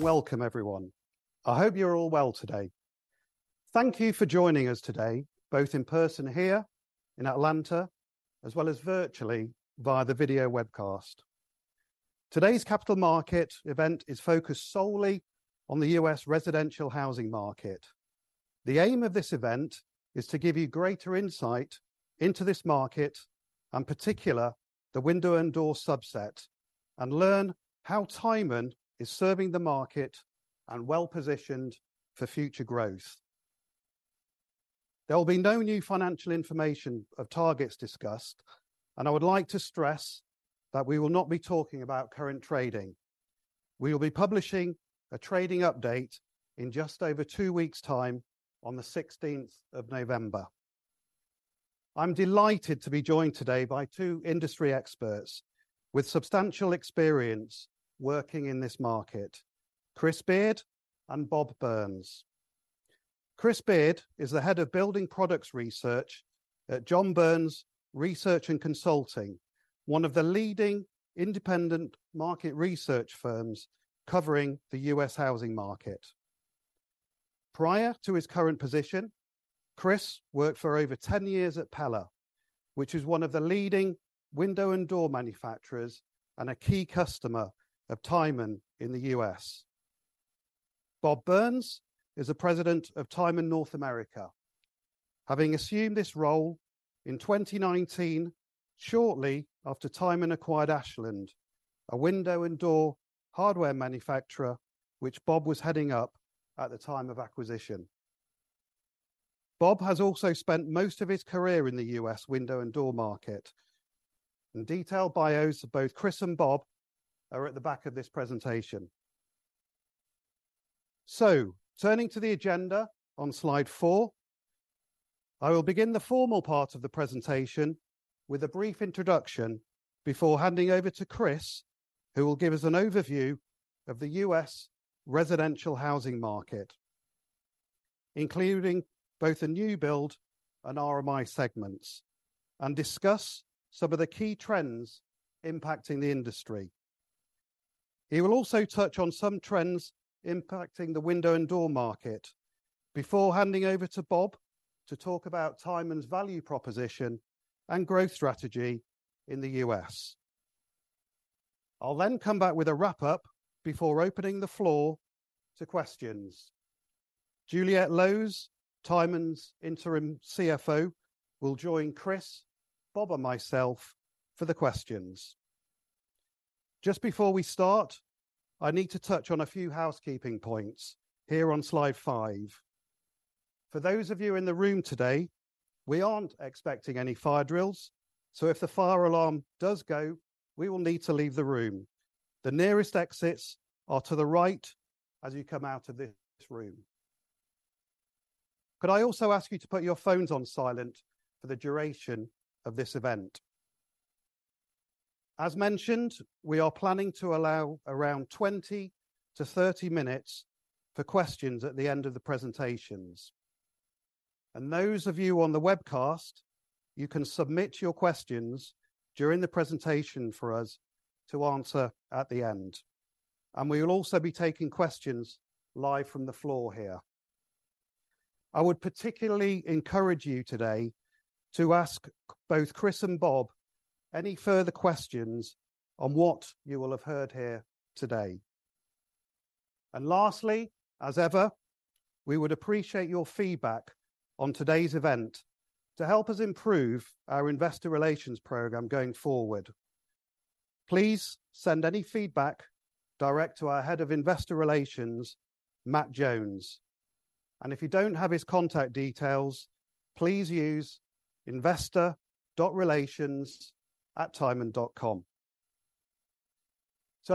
Welcome, everyone. I hope you're all well today. Thank you for joining us today, both in person here in Atlanta, as well as virtually via the video webcast. Today's capital markets event is focused solely on the U.S. residential housing market. The aim of this event is to give you greater insight into this market, in particular, the window and door subset, and learn how Tyman is serving the market and well-positioned for future growth. There will be no new financial information or targets discussed, and I would like to stress that we will not be talking about current trading. We will be publishing a trading update in just over two weeks' time, on the 16th of November. I'm delighted to be joined today by two industry experts with substantial experience working in this market, Chris Beard and Bob Burns. Chris Beard is the Head of Building Products Research at John Burns Research and Consulting, one of the leading independent market research firms covering the U.S. housing market. Prior to his current position, Chris worked for over 10 years at Pella, which is one of the leading window and door manufacturers and a key customer of Tyman in the U.S. Bob Burns is the President of Tyman North America, having assumed this role in 2019, shortly after Tyman acquired Ashland, a window and door hardware manufacturer, which Bob was heading up at the time of acquisition. Bob has also spent most of his career in the U.S. window and door market, and detailed bios of both Chris and Bob are at the back of this presentation. So, turning to the agenda on slide four, I will begin the formal part of the presentation with a brief introduction before handing over to Chris, who will give us an overview of the U.S. residential housing market, including both the new build and RMI segments, and discuss some of the key trends impacting the industry. He will also touch on some trends impacting the window and door market before handing over to Bob to talk about Tyman's value proposition and growth strategy in the U.S. I'll then come back with a wrap-up before opening the floor to questions. Juliette Lowes, Tyman's Interim CFO, will join Chris, Bob, and myself for the questions. Just before we start, I need to touch on a few housekeeping points here on slide five. For those of you in the room today, we aren't expecting any fire drills, so if the fire alarm does go, we will need to leave the room. The nearest exits are to the right as you come out of this room. Could I also ask you to put your phones on silent for the duration of this event? As mentioned, we are planning to allow around 20-30 minutes for questions at the end of the presentations. Those of you on the webcast, you can submit your questions during the presentation for us to answer at the end, and we will also be taking questions live from the floor here. I would particularly encourage you today to ask both Chris and Bob any further questions on what you will have heard here today. Lastly, as ever, we would appreciate your feedback on today's event to help us improve our investor relations program going forward. Please send any feedback direct to our Head of Investor Relations, Matt Jones, and if you don't have his contact details, please use investor.relations@tyman.com.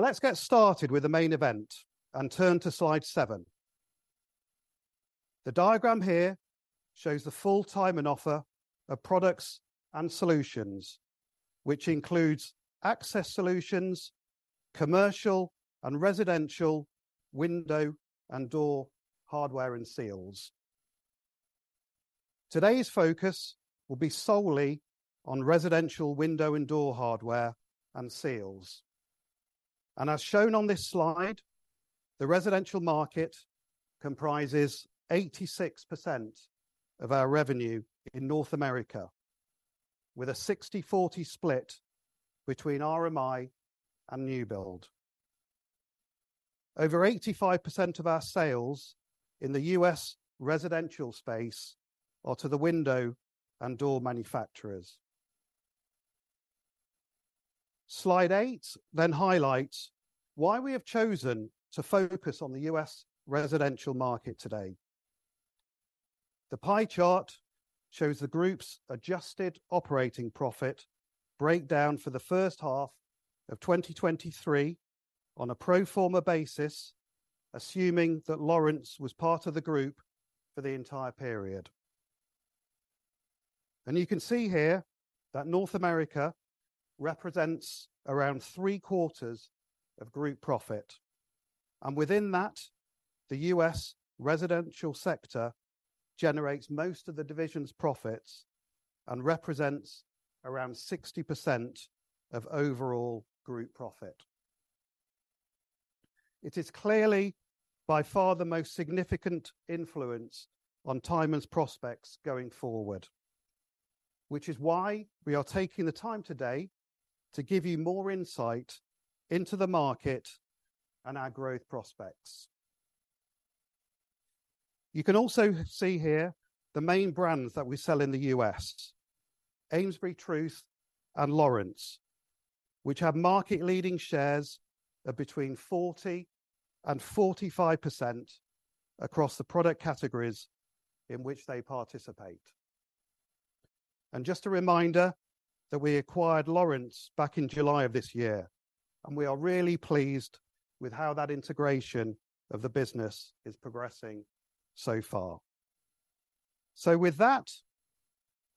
Let's get started with the main event and turn to slide seven. The diagram here shows the full Tyman offer of products and solutions, which includes access solutions, commercial and residential window and door hardware and seals. Today's focus will be solely on residential window and door hardware and seals. As shown on this slide, the residential market comprises 86% of our revenue in North America, with a 60/40 split between RMI and new build. Over 85% of our sales in the U.S. residential space are to the window and door manufacturers. Slide eight then highlights why we have chosen to focus on the U.S. residential market today. The pie chart shows the group's adjusted operating profit breakdown for the first half of 2023 on a pro forma basis, assuming that Lawrence was part of the group for the entire period. You can see here that North America represents around three-quarters of group profit, and within that, the U.S. residential sector generates most of the division's profit and represents around 60% of overall group profit. It is clearly by far the most significant influence on Tyman's prospects going forward, which is why we are taking the time today to give you more insight into the market and our growth prospects. You can also see here the main brands that we sell in the U.S., AmesburyTruth and Lawrence, which have market-leading shares of between 40% and 45% across the product categories in which they participate. Just a reminder that we acquired Lawrence back in July of this year, and we are really pleased with how that integration of the business is progressing so far. With that,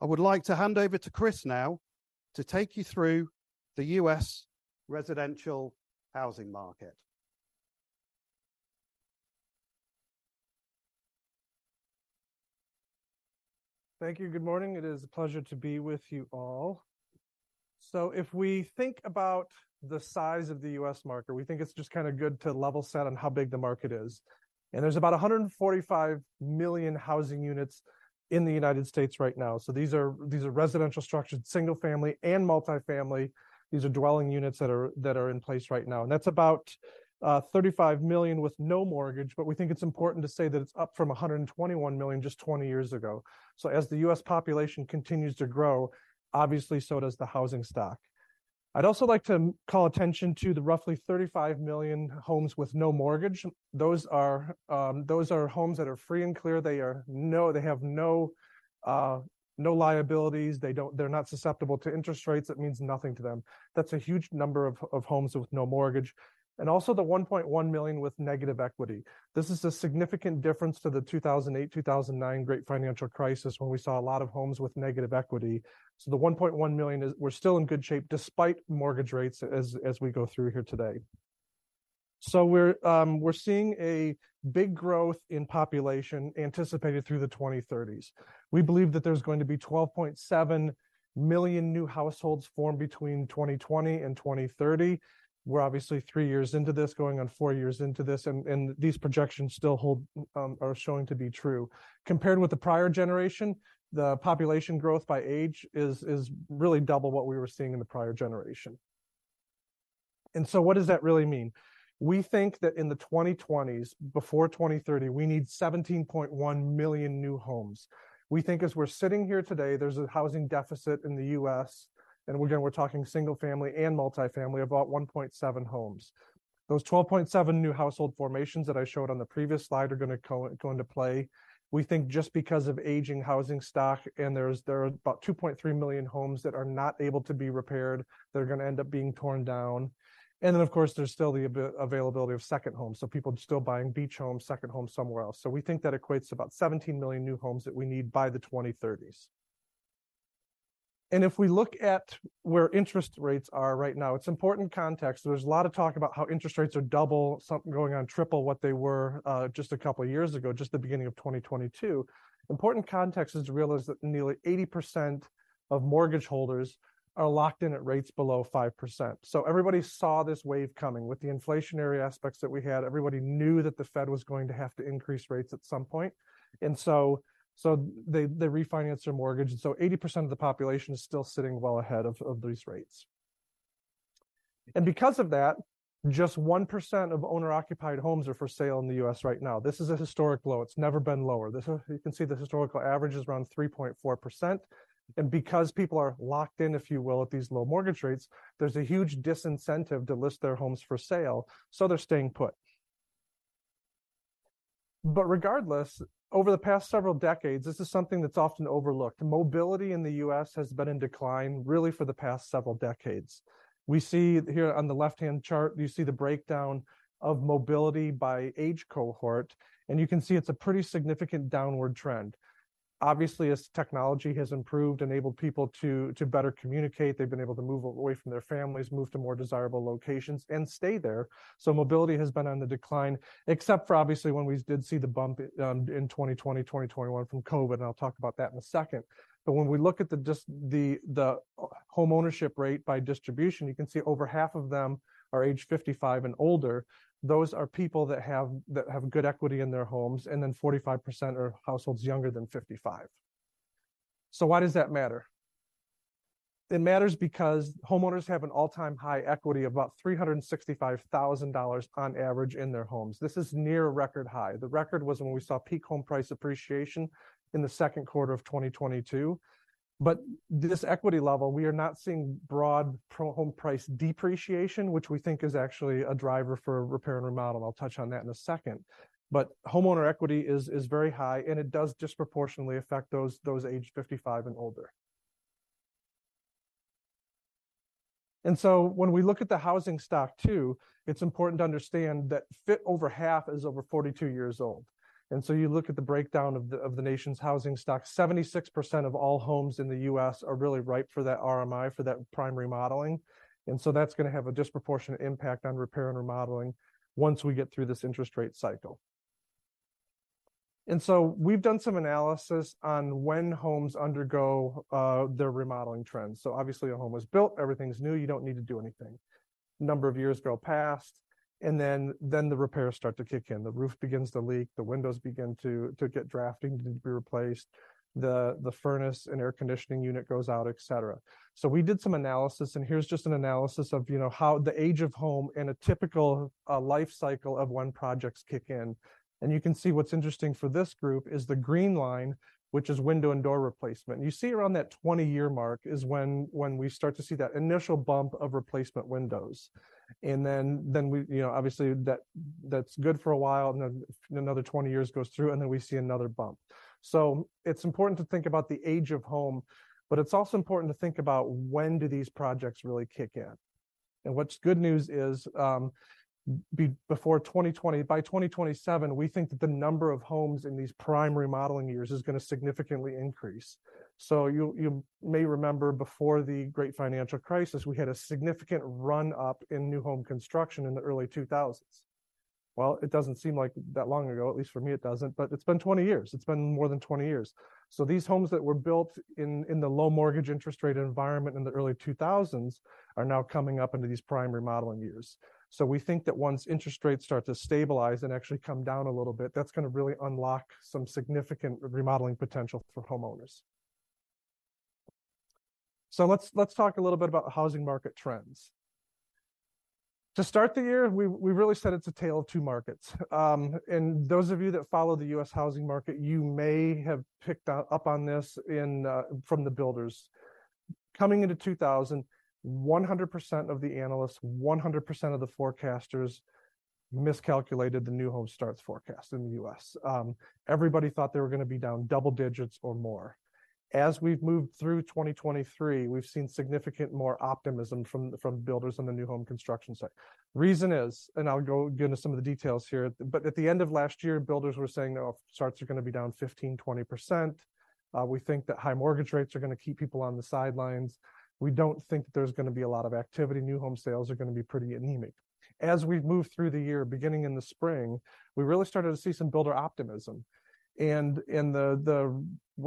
I would like to hand over to Chris now to take you through the U.S. residential housing market. Thank you. Good morning, it is a pleasure to be with you all. So if we think about the size of the U.S. market, we think it's just kind of good to level set on how big the market is. There's about 145 million housing units in the United States right now. So these are residential structures, single-family and multifamily. These are dwelling units that are in place right now, and that's about 35 million with no mortgage, but we think it's important to say that it's up from 121 million just 20 years ago. So as the U.S. population continues to grow, obviously, so does the housing stock. I'd also like to call attention to the roughly 35 million homes with no mortgage. Those are homes that are free and clear. They have no liabilities. They're not susceptible to interest rates, it means nothing to them. That's a huge number of homes with no mortgage, and also the 1.1 million with negative equity. This is a significant difference to the 2008, 2009 great financial crisis, when we saw a lot of homes with negative equity. So the 1.1 million is, we're still in good shape despite mortgage rates, as we go through here today. So we're seeing a big growth in population anticipated through the 2030s. We believe that there's going to be 12.7 million new households formed between 2020 and 2030. We're obviously three years into this, going on four years into this, and these projections still hold, are showing to be true. Compared with the prior generation, the population growth by age is really double what we were seeing in the prior generation. So what does that really mean? We think that in the 2020s, before 2030, we need 17.1 million new homes. We think as we're sitting here today, there's a housing deficit in the U.S., and again, we're talking single-family and multifamily, of about 1.7 homes. Those 12.7 new household formations that I showed on the previous slide are gonna go into play. We think just because of aging housing stock, and there are about 2.3 million homes that are not able to be repaired, that are gonna end up being torn down. And then, of course, there's still the availability of second homes, so people are still buying beach homes, second homes somewhere else. So we think that equates to about 17 million new homes that we need by the 2030s. If we look at where interest rates are right now, it's important context. There's a lot of talk about how interest rates are double, some going on triple, what they were just a couple of years ago, just the beginning of 2022. Important context is to realize that nearly 80% of mortgage holders are locked in at rates below 5%. So everybody saw this wave coming. With the inflationary aspects that we had, everybody knew that the Fed was going to have to increase rates at some point, and so, so they, they refinanced their mortgage, and so 80% of the population is still sitting well ahead of, of these rates. Because of that, just 1% of owner-occupied homes are for sale in the U.S. right now. This is a historic low. It's never been lower. This is. You can see the historical average is around 3.4%, and because people are locked in, if you will, at these low mortgage rates, there's a huge disincentive to list their homes for sale, so they're staying put. Regardless, over the past several decades, this is something that's often overlooked. Mobility in the U.S. has been in decline, really, for the past several decades. We see here on the left-hand chart, you see the breakdown of mobility by age cohort, and you can see it's a pretty significant downward trend. Obviously, as technology has improved, enabled people to better communicate, they've been able to move away from their families, move to more desirable locations and stay there. So mobility has been on the decline, except for obviously, when we did see the bump in 2020, 2021 from COVID, and I'll talk about that in a second. But when we look at the homeownership rate by distribution, you can see over half of them are age 55 and older. Those are people that have, that have good equity in their homes, and then 45% are households younger than 55. So why does that matter? It matters because homeowners have an all-time high equity of about $365,000 on average in their homes. This is near a record high. The record was when we saw peak home price appreciation in the second quarter of 2022. But this equity level, we are not seeing broad home price depreciation, which we think is actually a driver for repair and remodel. I'll touch on that in a second. But homeowner equity is, is very high, and it does disproportionately affect those, those aged 55 and older. And so when we look at the housing stock too, it's important to understand that more than half is over 42 years old. And so you look at the breakdown of the, of the nation's housing stock, 76% of all homes in the U.S. are really ripe for that RMI, for that prime remodeling. And so that's gonna have a disproportionate impact on repair and remodeling once we get through this interest rate cycle. And so we've done some analysis on when homes undergo their remodeling trends. So obviously, a home was built, everything's new, you don't need to do anything. A number of years go past, and then the repairs start to kick in. The roof begins to leak, the windows begin to get drafty, need to be replaced, the furnace and air conditioning unit goes out, et cetera. So we did some analysis, and here's just an analysis of, you know, how the age of home in a typical life cycle of when projects kick in. And you can see what's interesting for this group is the green line, which is window and door replacement. You see around that 20-year mark is when we start to see that initial bump of replacement windows. And then, you know, obviously, that's good for a while, and then another 20 years goes through, and then we see another bump. So it's important to think about the age of home, but it's also important to think about when do these projects really kick in? And what's good news is, before 2020—by 2027, we think that the number of homes in these prime remodeling years is gonna significantly increase. So you may remember before the great financial crisis, we had a significant run-up in new home construction in the early 2000s. Well, it doesn't seem like that long ago, at least for me, it doesn't, but it's been 20 years. It's been more than 20 years. So these homes that were built in the low mortgage interest rate environment in the early 2000s, are now coming up into these prime remodeling years. So we think that once interest rates start to stabilize and actually come down a little bit, that's gonna really unlock some significant remodeling potential for homeowners. So let's talk a little bit about the housing market trends. To start the year, we really said it's a tale of two markets. And those of you that follow the U.S. housing market, you may have picked up on this from the builders. Coming into 2023, 100% of the analysts, 100% of the forecasters miscalculated the new home starts forecast in the U.S. Everybody thought they were gonna be down double digits or more. As we've moved through 2023, we've seen significant more optimism from the builders on the new home construction site. Reason is, and I'll go into some of the details here, but at the end of last year, builders were saying, "Oh, starts are gonna be down 15%-20%. We think that high mortgage rates are gonna keep people on the sidelines. We don't think there's gonna be a lot of activity. New home sales are gonna be pretty anemic." As we've moved through the year, beginning in the spring, we really started to see some builder optimism. One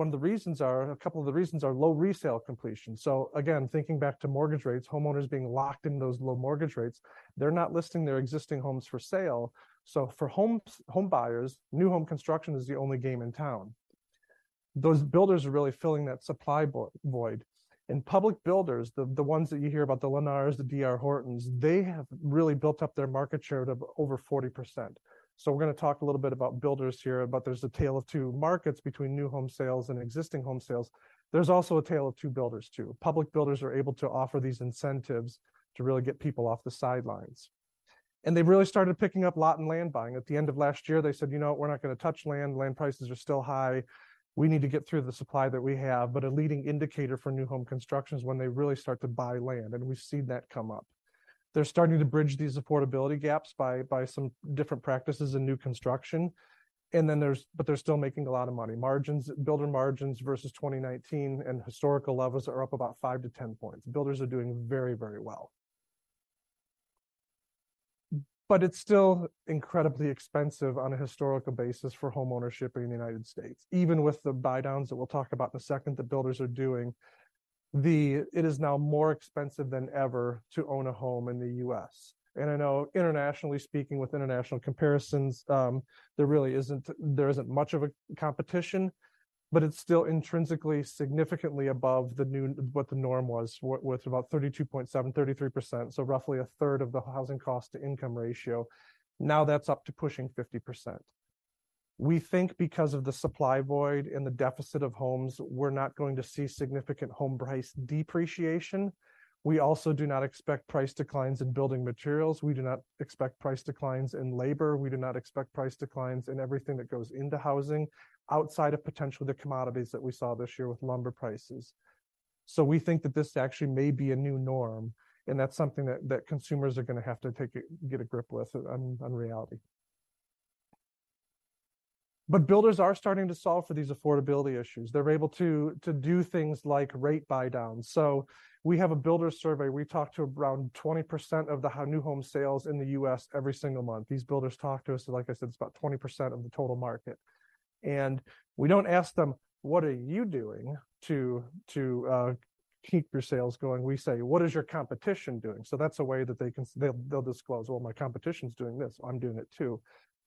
of the reasons are, a couple of the reasons are low resale completion. So again, thinking back to mortgage rates, homeowners being locked in those low mortgage rates, they're not listing their existing homes for sale. So for home buyers, new home construction is the only game in town. Those builders are really filling that supply void. Public builders, the ones that you hear about, the Lennars, the D.R. Hortons, they have really built up their market share to over 40%. So we're gonna talk a little bit about builders here, but there's a tale of two markets between new home sales and existing home sales. There's also a tale of two builders, too. Public builders are able to offer these incentives to really get people off the sidelines. And they've really started picking up lot and land buying. At the end of last year, they said, "You know what? We're not gonna touch land. Land prices are still high. We need to get through the supply that we have." But a leading indicator for new home construction is when they really start to buy land, and we see that come up. They're starting to bridge these affordability gaps by some different practices and new construction. And then there's—but they're still making a lot of money. Margins, builder margins versus 2019 and historical levels are up about 5-10 points. Builders are doing very, very well. But it's still incredibly expensive on a historical basis for homeownership in the United States, even with the buydowns that we'll talk about in a second, the builders are doing. It is now more expensive than ever to own a home in the U.S. And I know internationally speaking, with international comparisons, there really isn't—there isn't much of a competition, but it's still intrinsically, significantly above the new, what the norm was, with about 32.7%, 33%, so roughly 1/3 of the housing cost to income ratio. Now, that's up to pushing 50%. We think because of the supply void and the deficit of homes, we're not going to see significant home price depreciation. We also do not expect price declines in building materials. We do not expect price declines in labor. We do not expect price declines in everything that goes into housing, outside of potentially the commodities that we saw this year with lumber prices. So we think that this actually may be a new norm, and that's something that, that consumers are gonna have to take a, get a grip with on, on reality. But builders are starting to solve for these affordability issues. They're able to, to do things like rate buydowns. So we have a builder survey. We talk to around 20% of the new home sales in the U.S. every single month. These builders talk to us, and like I said, it's about 20% of the total market. We don't ask them: What are you doing to keep your sales going? We say: What is your competition doing? So that's a way that they can, they'll, they'll disclose, "Well, my competition's doing this, I'm doing it too."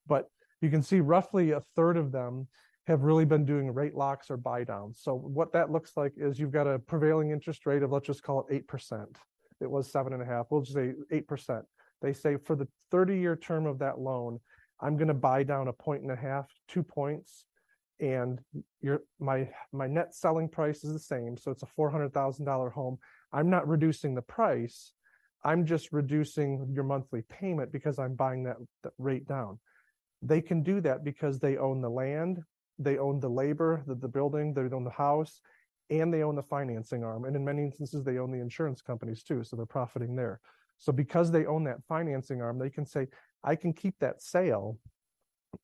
But you can see roughly 1/3 of them have really been doing rate locks or buydowns. So what that looks like is you've got a prevailing interest rate of, let's just call it 8%. It was 7.5%, we'll just say 8%. They say, "For the 30-year term of that loan, I'm gonna buy down a 1.5, 2 points, and my net selling price is the same. So it's a $400,000 home. I'm not reducing the price, I'm just reducing your monthly payment because I'm buying that rate down." They can do that because they own the land, they own the labor, the building, they own the house, and they own the financing arm, and in many instances, they own the insurance companies, too, so they're profiting there. So because they own that financing arm, they can say, "I can keep that sale."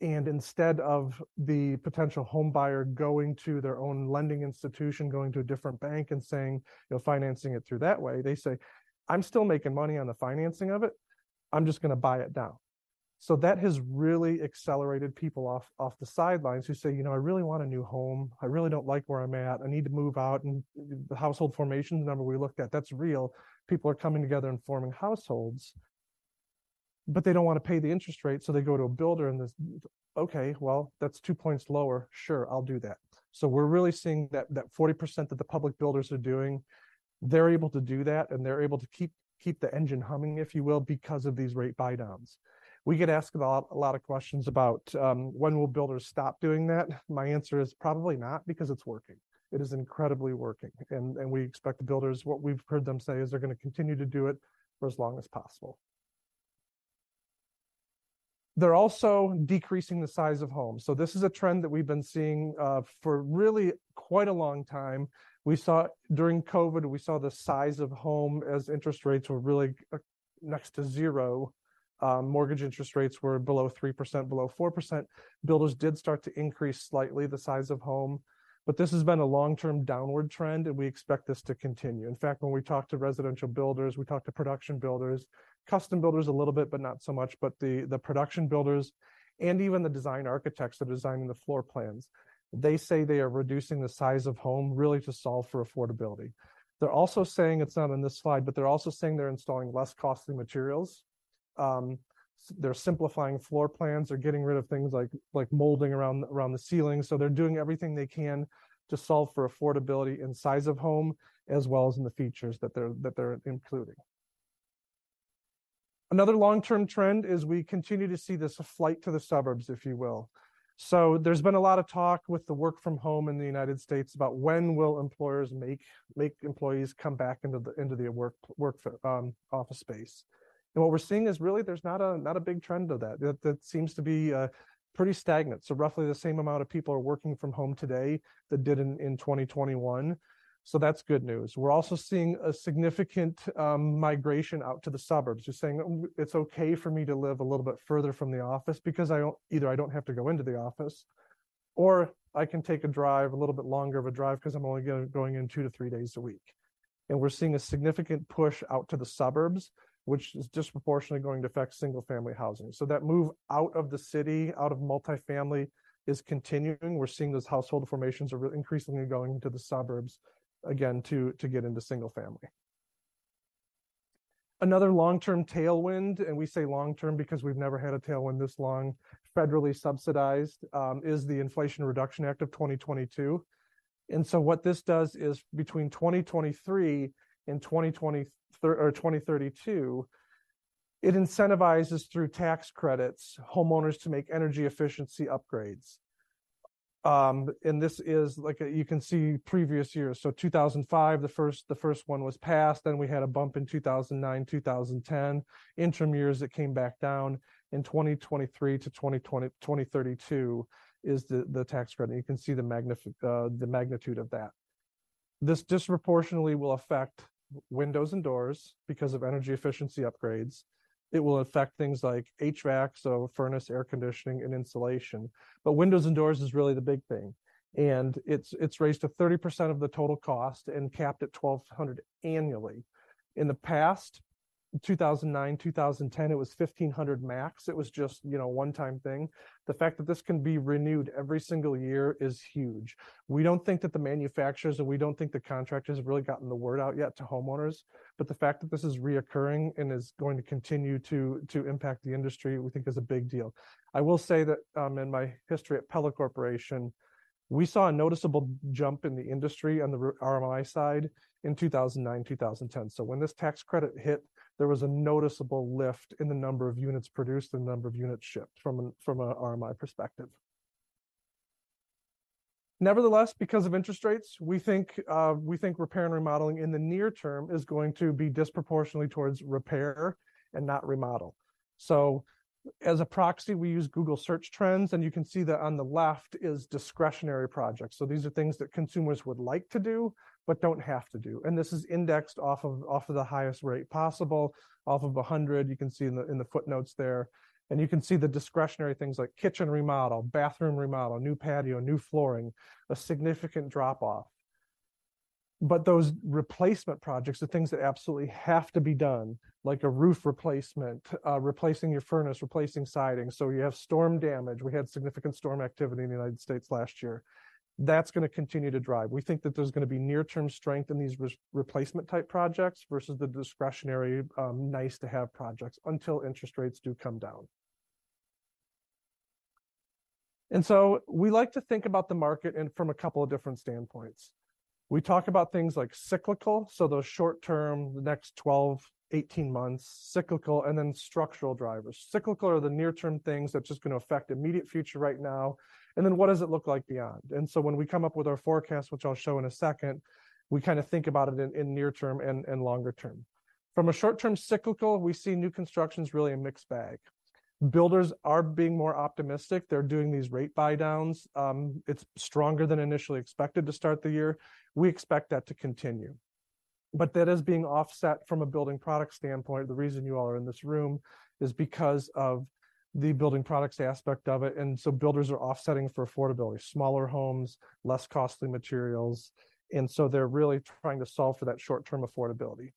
And instead of the potential home buyer going to their own lending institution, going to a different bank and saying, "You're financing it through that way", they say, "I'm still making money on the financing of it." I'm just gonna buy it down. So that has really accelerated people off the sidelines who say: "You know, I really want a new home. I really don't like where I'm at. I need to move out." And the household formation number we looked at, that's real. People are coming together and forming households, but they don't wanna pay the interest rate, so they go to a builder, and this, "Okay, well, that's 2 points lower. Sure, I'll do that." So we're really seeing that, that 40% that the public builders are doing, they're able to do that, and they're able to keep, keep the engine humming, if you will, because of these rate buydowns. We get asked a lot, a lot of questions about, when will builders stop doing that? My answer is probably not, because it's working. It is incredibly working, and, and we expect the builders, what we've heard them say is they're gonna continue to do it for as long as possible. They're also decreasing the size of homes. So this is a trend that we've been seeing for really quite a long time. We saw during COVID the size of home, as interest rates were really next to zero, mortgage interest rates were below 3%, below 4%. Builders did start to increase slightly the size of home, but this has been a long-term downward trend, and we expect this to continue. In fact, when we talk to residential builders, we talk to production builders, custom builders, a little bit, but not so much, but the production builders and even the design architects are designing the floor plans. They say they are reducing the size of home, really, to solve for affordability. They're also saying, it's not on this slide, but they're also saying they're installing less costly materials. They're simplifying floor plans. They're getting rid of things like molding around the ceiling. So they're doing everything they can to solve for affordability and size of home, as well as in the features that they're including. Another long-term trend is we continue to see this flight to the suburbs, if you will. So there's been a lot of talk with the work from home in the United States about when will employers make employees come back into the work office space. And what we're seeing is really there's not a big trend of that. That seems to be pretty stagnant. So roughly the same amount of people are working from home today that did in 2021. So that's good news. We're also seeing a significant migration out to the suburbs. Just saying it's okay for me to live a little bit further from the office because I don't either I don't have to go into the office, or I can take a drive, a little bit longer of a drive, 'cause I'm only going in two to three days a week. And we're seeing a significant push out to the suburbs, which is disproportionately going to affect single-family housing. So that move out of the city, out of multifamily, is continuing. We're seeing those household formations are increasingly going to the suburbs again to get into single family. Another long-term tailwind, and we say long-term because we've never had a tailwind this long, federally subsidized, is the Inflation Reduction Act of 2022. And so what this does is between 2023 or 2032, it incentivizes, through tax credits, homeowners to make energy efficiency upgrades. And this is like, you can see previous years. So 2005, the first, the first one was passed, then we had a bump in 2009, 2010, interim years, it came back down. In 2023 to 2032, is the, the tax credit. You can see the magnitude of that. This disproportionately will affect windows and doors because of energy efficiency upgrades. It will affect things like HVAC, so furnace, air conditioning and insulation. But windows and doors is really the big thing, and it's, it's raised to 30% of the total cost and capped at $1,200 annually. In the past, 2009, 2010, it was $1,500 max. It was just, you know, a one-time thing. The fact that this can be renewed every single year is huge. We don't think that the manufacturers, and we don't think the contractors have really gotten the word out yet to homeowners, but the fact that this is reoccurring and is going to continue to impact the industry, we think is a big deal. I will say that in my history at Pella Corporation, we saw a noticeable jump in the industry on the RMI side in 2009, 2010. So when this tax credit hit, there was a noticeable lift in the number of units produced, the number of units shipped from a RMI perspective. Nevertheless, because of interest rates, we think repair and remodeling in the near term is going to be disproportionately towards repair and not remodel. So as a proxy, we use Google Search Trends, and you can see that on the left is discretionary projects. So these are things that consumers would like to do but don't have to do. And this is indexed off of the highest rate possible, off of 100. You can see in the footnotes there. And you can see the discretionary things like kitchen remodel, bathroom remodel, new patio, new flooring, a significant drop-off. But those replacement projects, the things that absolutely have to be done, like a roof replacement, replacing your furnace, replacing siding. So you have storm damage. We had significant storm activity in the United States last year. That's gonna continue to drive. We think that there's gonna be near-term strength in these replacement type projects versus the discretionary, nice-to-have projects, until interest rates do come down. And so we like to think about the market and from a couple of different standpoints. We talk about things like cyclical, so those short term, the next 12, 18 months, cyclical, and then structural drivers. Cyclical are the near-term things that's just gonna affect immediate future right now, and then what does it look like beyond? And so when we come up with our forecast, which I'll show in a second, we kinda think about it in, in near term and, and longer term. From a short-term cyclical, we see new construction is really a mixed bag. Builders are being more optimistic. They're doing these rate buydowns. It's stronger than initially expected to start the year. We expect that to continue. But that is being offset from a building product standpoint. The reason you all are in this room is because of the building products aspect of it, and so builders are offsetting for affordability, smaller homes, less costly materials, and so they're really trying to solve for that short-term affordability.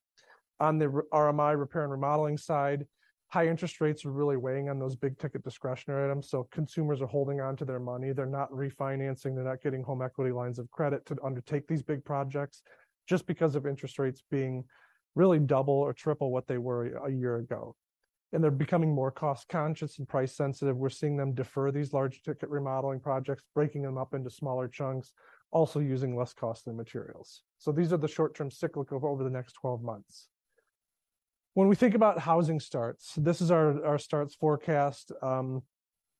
On the RMI, repair and remodeling side, high interest rates are really weighing on those big-ticket discretionary items. So consumers are holding on to their money. They're not refinancing, they're not getting home equity lines of credit to undertake these big projects, just because of interest rates being really double or triple what they were a year ago. And they're becoming more cost-conscious and price-sensitive. We're seeing them defer these large-ticket remodeling projects, breaking them up into smaller chunks, also using less costly materials. So these are the short-term cyclical over the next 12 months. When we think about housing starts, this is our starts forecast,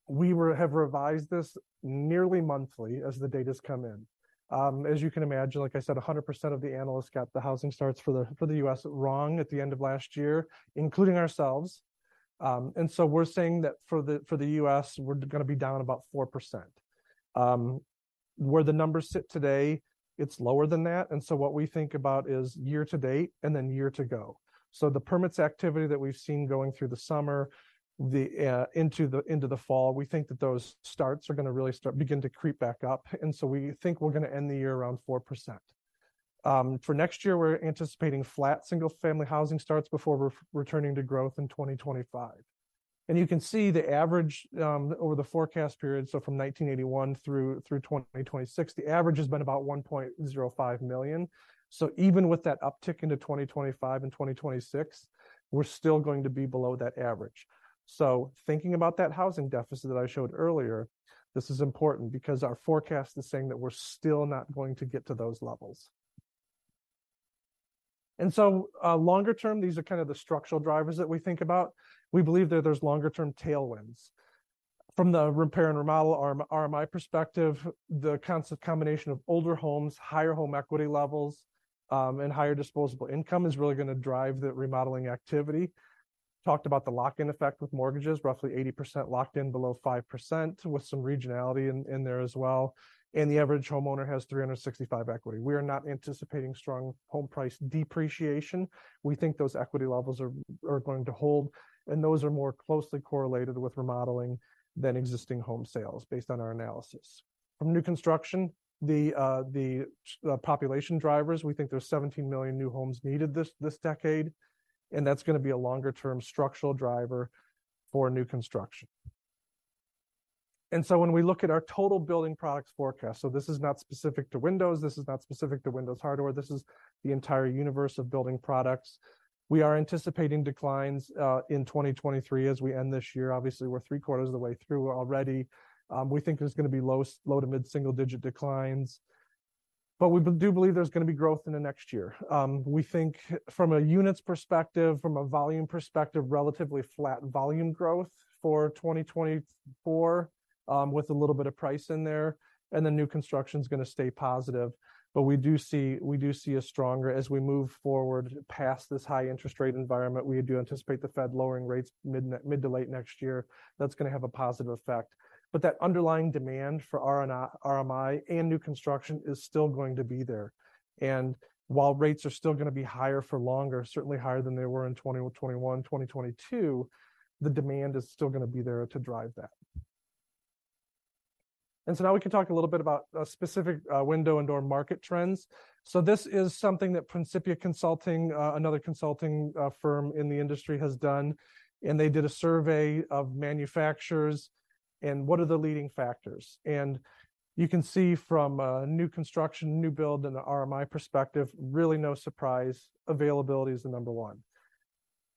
we have revised this nearly monthly as the data's come in. As you can imagine, like I said, 100% of the analysts got the housing starts for the, for the U.S. wrong at the end of last year, including ourselves. And so we're saying that for the, for the U.S., we're gonna be down about 4%. Where the numbers sit today, it's lower than that, and so what we think about is year to date and then year to go. So the permits activity that we've seen going through the summer, into the, into the fall, we think that those starts are gonna really begin to creep back up, and so we think we're gonna end the year around 4%. For next year, we're anticipating flat single-family housing starts before returning to growth in 2025. You can see the average over the forecast period, so from 1981 through 2026, the average has been about 1.05 million. So even with that uptick into 2025 and 2026, we're still going to be below that average. So thinking about that housing deficit that I showed earlier, this is important because our forecast is saying that we're still not going to get to those levels. And so, longer term, these are kind of the structural drivers that we think about. We believe that there's longer-term tailwinds. From the repair and remodel RMI perspective, the combination of older homes, higher home equity levels, and higher disposable income is really gonna drive that remodeling activity. Talked about the lock-in effect with mortgages, roughly 80% locked in below 5%, with some regionality in there as well. The average homeowner has $365,000 equity. We are not anticipating strong home price depreciation. We think those equity levels are going to hold, and those are more closely correlated with remodeling than existing home sales, based on our analysis. From new construction, the population drivers, we think there's 17 million new homes needed this decade, and that's gonna be a longer-term structural driver for new construction. So when we look at our total building products forecast, so this is not specific to windows, this is not specific to windows hardware, this is the entire universe of building products. We are anticipating declines in 2023 as we end this year. Obviously, we're three-quarters of the way through already. We think there's gonna be low, low to mid-single-digit declines, but we do believe there's gonna be growth in the next year. We think from a units perspective, from a volume perspective, relatively flat volume growth for 2024, with a little bit of price in there, and the new construction is gonna stay positive. But we do see, we do see a stronger, as we move forward past this high interest rate environment, we do anticipate the Fed lowering rates mid, mid to late next year. That's gonna have a positive effect. But that underlying demand for RMI and new construction is still going to be there. While rates are still gonna be higher for longer, certainly higher than they were in 2021, 2022, the demand is still gonna be there to drive that. So now we can talk a little bit about specific window and door market trends. This is something that Principia Consulting, another consulting firm in the industry, has done, and they did a survey of manufacturers, and what are the leading factors? You can see from new construction, new build, and the RMI perspective, really no surprise, availability is the number one.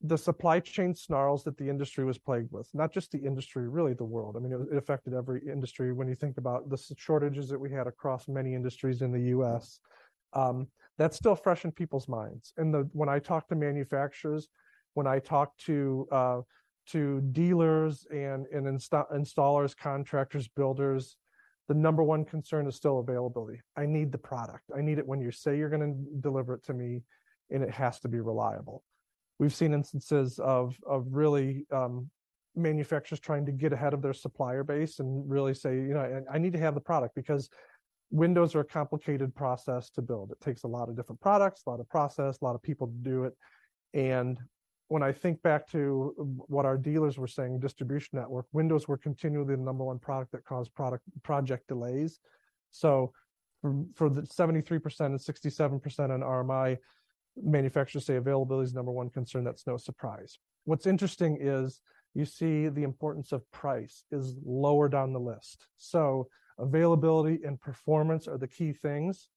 The supply chain snarls that the industry was plagued with, not just the industry, really, the world. I mean, it affected every industry when you think about the shortages that we had across many industries in the U.S., that's still fresh in people's minds. When I talk to manufacturers, when I talk to dealers and installers, contractors, builders, the number one concern is still availability. "I need the product. I need it when you say you're gonna deliver it to me, and it has to be reliable." We've seen instances of really manufacturers trying to get ahead of their supplier base and really say: "You know, I need to have the product," because windows are a complicated process to build. It takes a lot of different products, a lot of process, a lot of people to do it. And when I think back to what our dealers were saying, distribution network, windows were continually the number one product that caused project delays. So for the 73% and 67% on RMI, manufacturers say availability is number one concern. That's no surprise. What's interesting is, you see the importance of price is lower down the list. So availability and performance are the key things.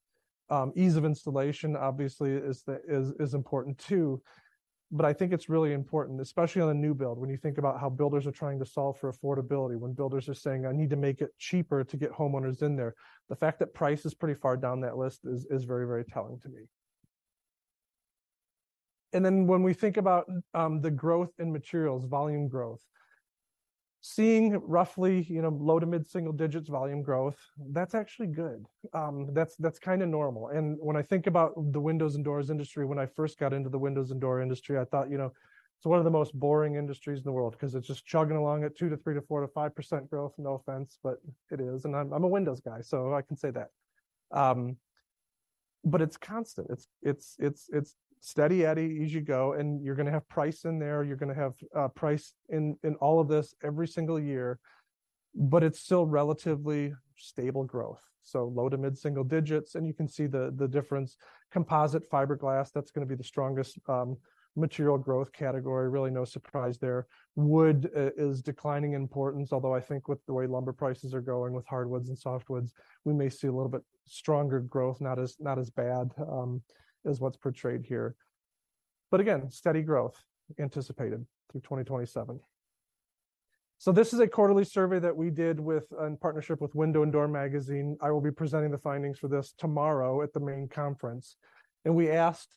Ease of installation, obviously, is important too, but I think it's really important, especially on a new build, when you think about how builders are trying to solve for affordability, when builders are saying: "I need to make it cheaper to get homeowners in there." The fact that price is pretty far down that list is very, very telling to me. And then when we think about the growth in materials, volume growth, seeing roughly, you know, low- to mid-single digits volume growth, that's actually good. That's kinda normal. When I think about the windows and doors industry, when I first got into the windows and doors industry, I thought, you know, "It's one of the most boring industries in the world, 'cause it's just chugging along at 2%-5% growth." No offense, but it is, and I'm a windows guy, so I can say that. But it's constant. It's steady eddy as you go, and you're gonna have price in there, you're gonna have price in all of this every single year, but it's still relatively stable growth. So low to mid-single digits, and you can see the difference. Composite fiberglass, that's gonna be the strongest material growth category. Really, no surprise there. Wood is declining in importance, although I think with the way lumber prices are going with hardwoods and softwoods, we may see a little bit stronger growth, not as, not as bad as what's portrayed here. But again, steady growth anticipated through 2027. So this is a quarterly survey that we did with, in partnership with Window + Door Magazine. I will be presenting the findings for this tomorrow at the main conference. And we asked,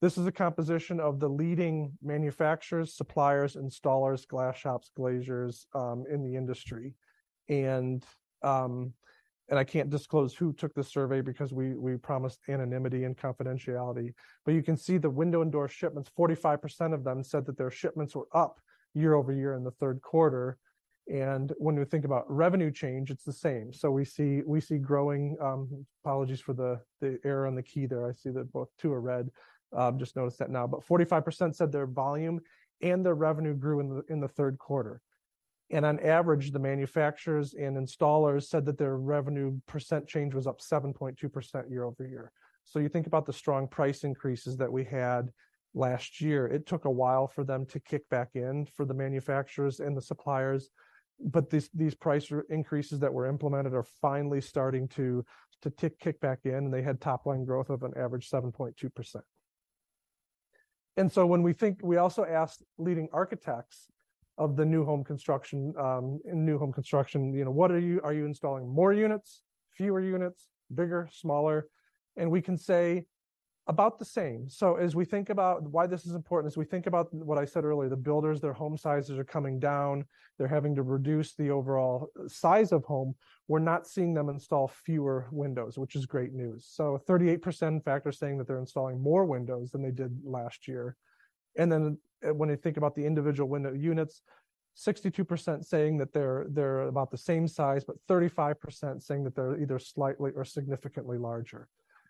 this is a composition of the leading manufacturers, suppliers, installers, glass shops, glaziers in the industry. And I can't disclose who took the survey because we promised anonymity and confidentiality. But you can see the window and door shipments, 45% of them said that their shipments were up year-over-year in the third quarter, and when we think about revenue change, it's the same. So we see, we see growing, apologies for the, the error on the key there. I see that both two are red, just noticed that now. But 45% said their volume and their revenue grew in the, in the third quarter. And on average, the manufacturers and installers said that their revenue percent change was up 7.2% year-over-year. So you think about the strong price increases that we had last year, it took a while for them to kick back in for the manufacturers and the suppliers, but these, these price increases that were implemented are finally starting to kick back in, and they had top line growth of an average 7.2%. We also asked leading architects in new home construction, "You know, are you installing more units, fewer units, bigger, smaller?" We can say about the same. As we think about why this is important, as we think about what I said earlier, the builders' home sizes are coming down. They're having to reduce the overall size of home. We're not seeing them install fewer windows, which is great news. In fact, 38% are saying that they're installing more windows than they did last year. Then when they think about the individual window units, 62% saying that they're about the same size, but 35% saying that they're either slightly or significantly larger.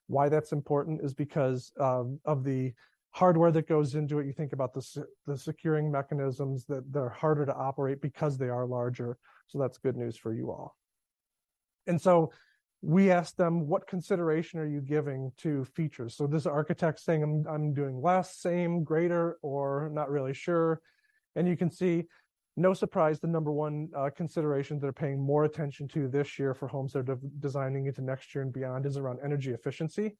Why that's important is because of the hardware that goes into it. You think about the securing mechanisms, that they're harder to operate because they are larger. So that's good news for you all. And so we asked them: What consideration are you giving to features? So this is architects saying, "I'm doing less, same, greater, or not really sure." And you can see, no surprise, the number one consideration they're paying more attention to this year for homes they're designing into next year and beyond is around energy efficiency.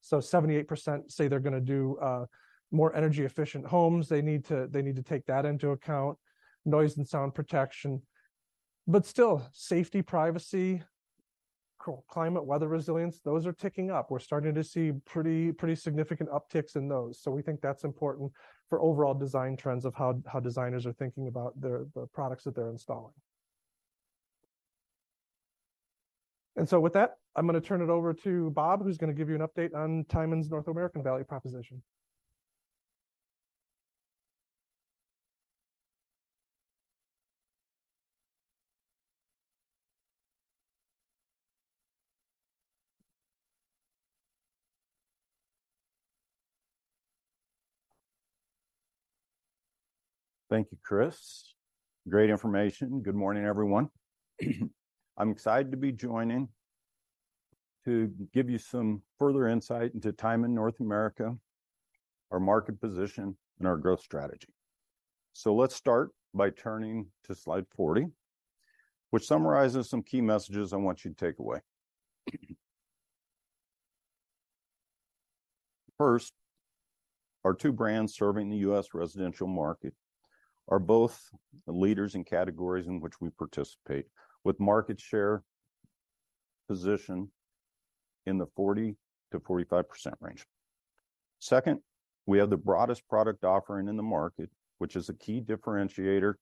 So 78% say they're gonna do more energy-efficient homes. They need to, they need to take that into account. Noise and sound protection. But still, safety, privacy, climate, weather resilience, those are ticking up. We're starting to see pretty, pretty significant upticks in those. We think that's important for overall design trends of how designers are thinking about the products that they're installing. With that, I'm gonna turn it over to Bob, who's gonna give you an update on Tyman's North American value proposition. Thank you, Chris. Great information. Good morning, everyone. I'm excited to be joining to give you some further insight into Tyman North America, our market position and our growth strategy. So let's start by turning to slide 40, which summarizes some key messages I want you to take away. First, our two brands serving the U.S. residential market are both leaders in categories in which we participate, with market share position in the 40%-45% range. Second, we have the broadest product offering in the market, which is a key differentiator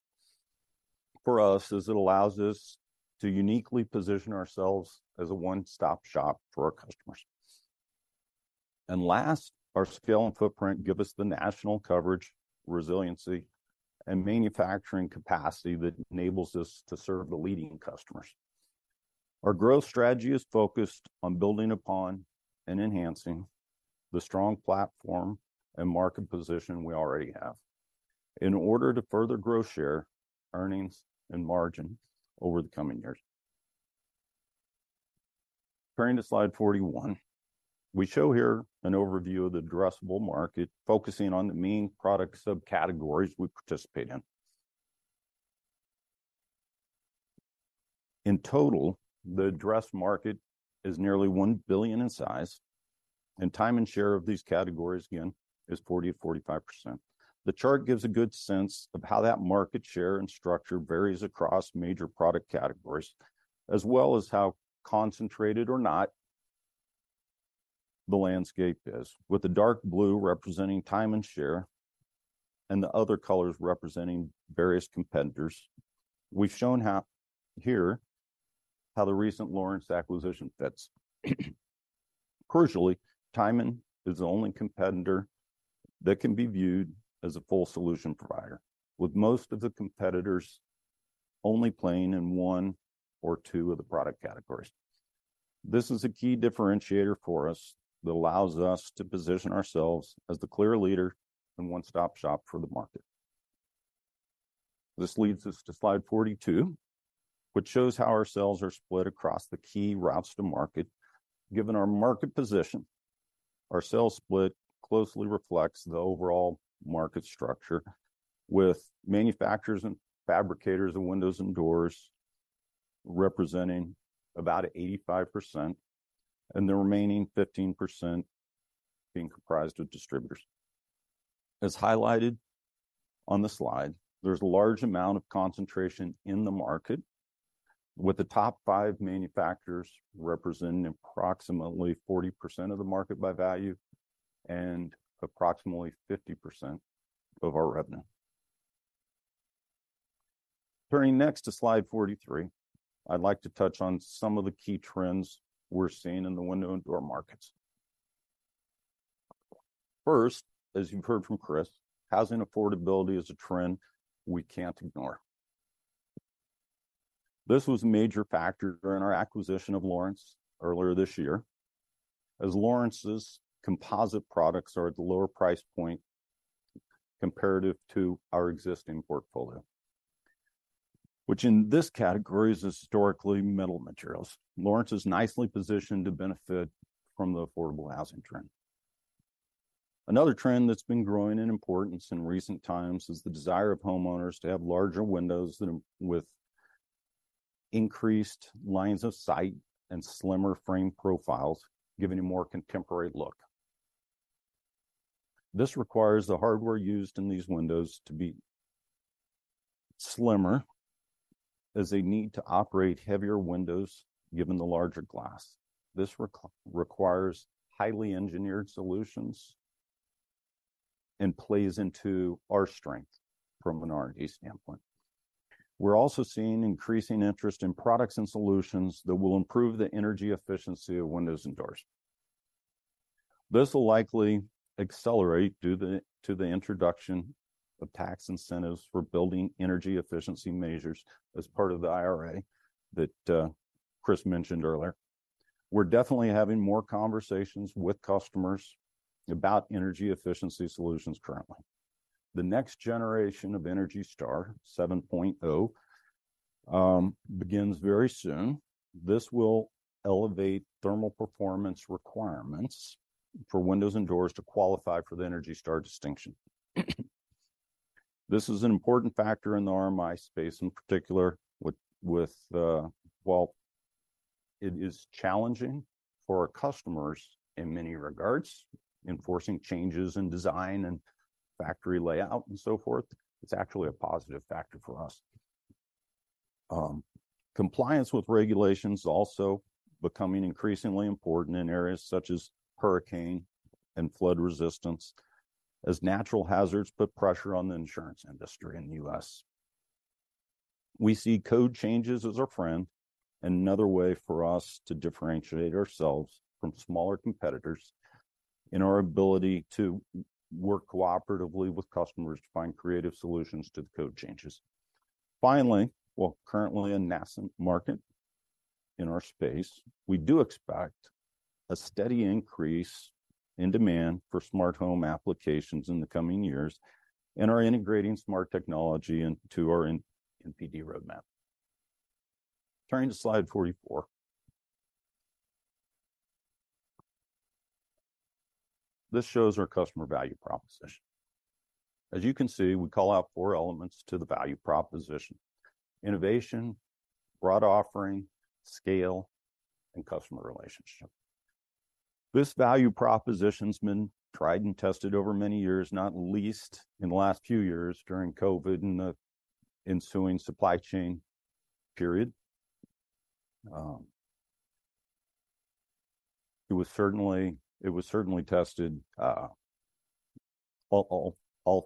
for us, as it allows us to uniquely position ourselves as a one-stop shop for our customers. And last, our scale and footprint give us the national coverage, resiliency, and manufacturing capacity that enables us to serve the leading customers. Our growth strategy is focused on building upon and enhancing the strong platform and market position we already have in order to further grow share, earnings, and margin over the coming years. Turning to slide 41, we show here an overview of the addressable market, focusing on the main product subcategories we participate in. In total, the addressed market is nearly $1 billion in size, and Tyman share of these categories, again, is 40%-45%. The chart gives a good sense of how that market share and structure varies across major product categories, as well as how concentrated or not the landscape is, with the dark blue representing Tyman share and the other colors representing various competitors. We've shown how, here, how the recent Lawrence acquisition fits. Crucially, Tyman is the only competitor that can be viewed as a full solution provider, with most of the competitors only playing in one or two of the product categories. This is a key differentiator for us that allows us to position ourselves as the clear leader and one-stop shop for the market. This leads us to slide 42, which shows how our sales are split across the key routes to market. Given our market position, our sales split closely reflects the overall market structure, with manufacturers and fabricators of windows and doors representing about 85%, and the remaining 15% being comprised of distributors. As highlighted on the slide, there's a large amount of concentration in the market, with the top five manufacturers representing approximately 40% of the market by value and approximately 50% of our revenue. Turning next to slide 43, I'd like to touch on some of the key trends we're seeing in the window and door markets. First, as you've heard from Chris, housing affordability is a trend we can't ignore. This was a major factor during our acquisition of Lawrence earlier this year, as Lawrence's composite products are at the lower price point comparative to our existing portfolio, which in this category is historically metal materials. Lawrence is nicely positioned to benefit from the affordable housing trend. Another trend that's been growing in importance in recent times is the desire of homeowners to have larger windows than with increased lines of sight and slimmer frame profiles, giving a more contemporary look. This requires the hardware used in these windows to be slimmer, as they need to operate heavier windows, given the larger glass. This requires highly engineered solutions and plays into our strength from an R&D standpoint. We're also seeing increasing interest in products and solutions that will improve the energy efficiency of windows and doors. This will likely accelerate due to the introduction of tax incentives for building energy efficiency measures as part of the IRA that Chris mentioned earlier. We're definitely having more conversations with customers about energy efficiency solutions currently. The next generation of Energy Star 7.0 begins very soon. This will elevate thermal performance requirements for windows and doors to qualify for the Energy Star distinction. This is an important factor in the RMI space, in particular, while it is challenging for our customers in many regards, enforcing changes in design and factory layout and so forth, it's actually a positive factor for us. Compliance with regulation is also becoming increasingly important in areas such as hurricane and flood resistance, as natural hazards put pressure on the insurance industry in the U.S. We see code changes as our friend, and another way for us to differentiate ourselves from smaller competitors in our ability to work cooperatively with customers to find creative solutions to the code changes. Finally, while currently a nascent market in our space, we do expect a steady increase in demand for smart home applications in the coming years and are integrating smart technology into our NPD roadmap. Turning to slide 44. This shows our customer value proposition. As you can see, we call out four elements to the value proposition: innovation, broad offering, scale, and customer relationship. This value proposition's been tried and tested over many years, not least in the last few years during COVID and the ensuing supply chain period. It was certainly tested all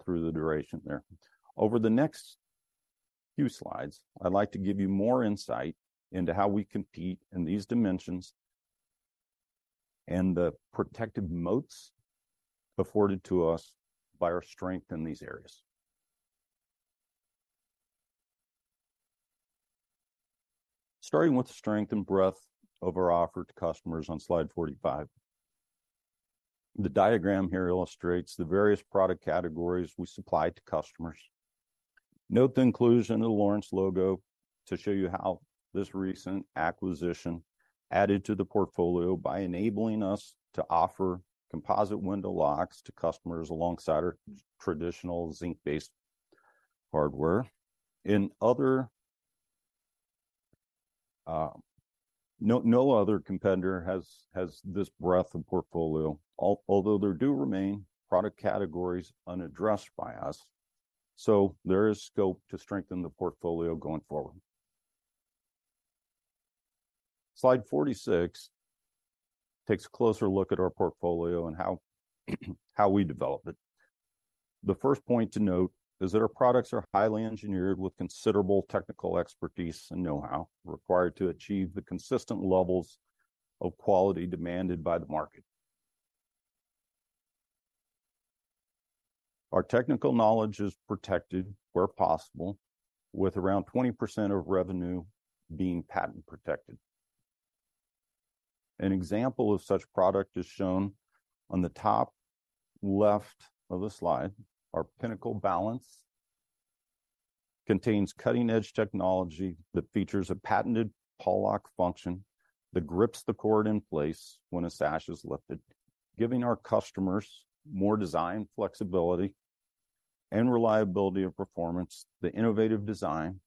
through the duration there. Over the next few slides, I'd like to give you more insight into how we compete in these dimensions and the protective moats afforded to us by our strength in these areas. Starting with the strength and breadth of our offer to customers on slide 45. The diagram here illustrates the various product categories we supply to customers. Note the inclusion of the Lawrence logo to show you how this recent acquisition added to the portfolio by enabling us to offer composite window locks to customers alongside our traditional zinc-based hardware. In other, no other competitor has this breadth of portfolio, although there do remain product categories unaddressed by us, so there is scope to strengthen the portfolio going forward. Slide 46 takes a closer look at our portfolio and how we developed it. The first point to note is that our products are highly engineered with considerable technical expertise and know-how required to achieve the consistent levels of quality demanded by the market. Our technical knowledge is protected where possible, with around 20% of revenue being patent-protected. An example of such product is shown on the top left of the slide. Our Pinnacle Balance contains cutting-edge technology that features a patented pawl lock function that grips the cord in place when a sash is lifted, giving our customers more design flexibility and reliability of performance. The innovative design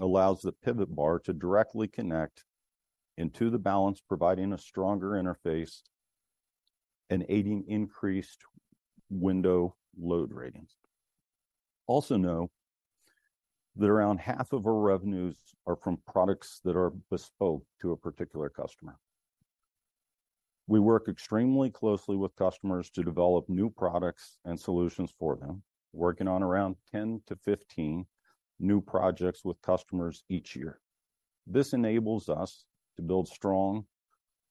allows the pivot bar to directly connect into the Balance, providing a stronger interface and aiding increased window load ratings. Also, know that around half of our revenues are from products that are bespoke to a particular customer. We work extremely closely with customers to develop new products and solutions for them, working on around 10-15 new projects with customers each year. This enables us to build strong,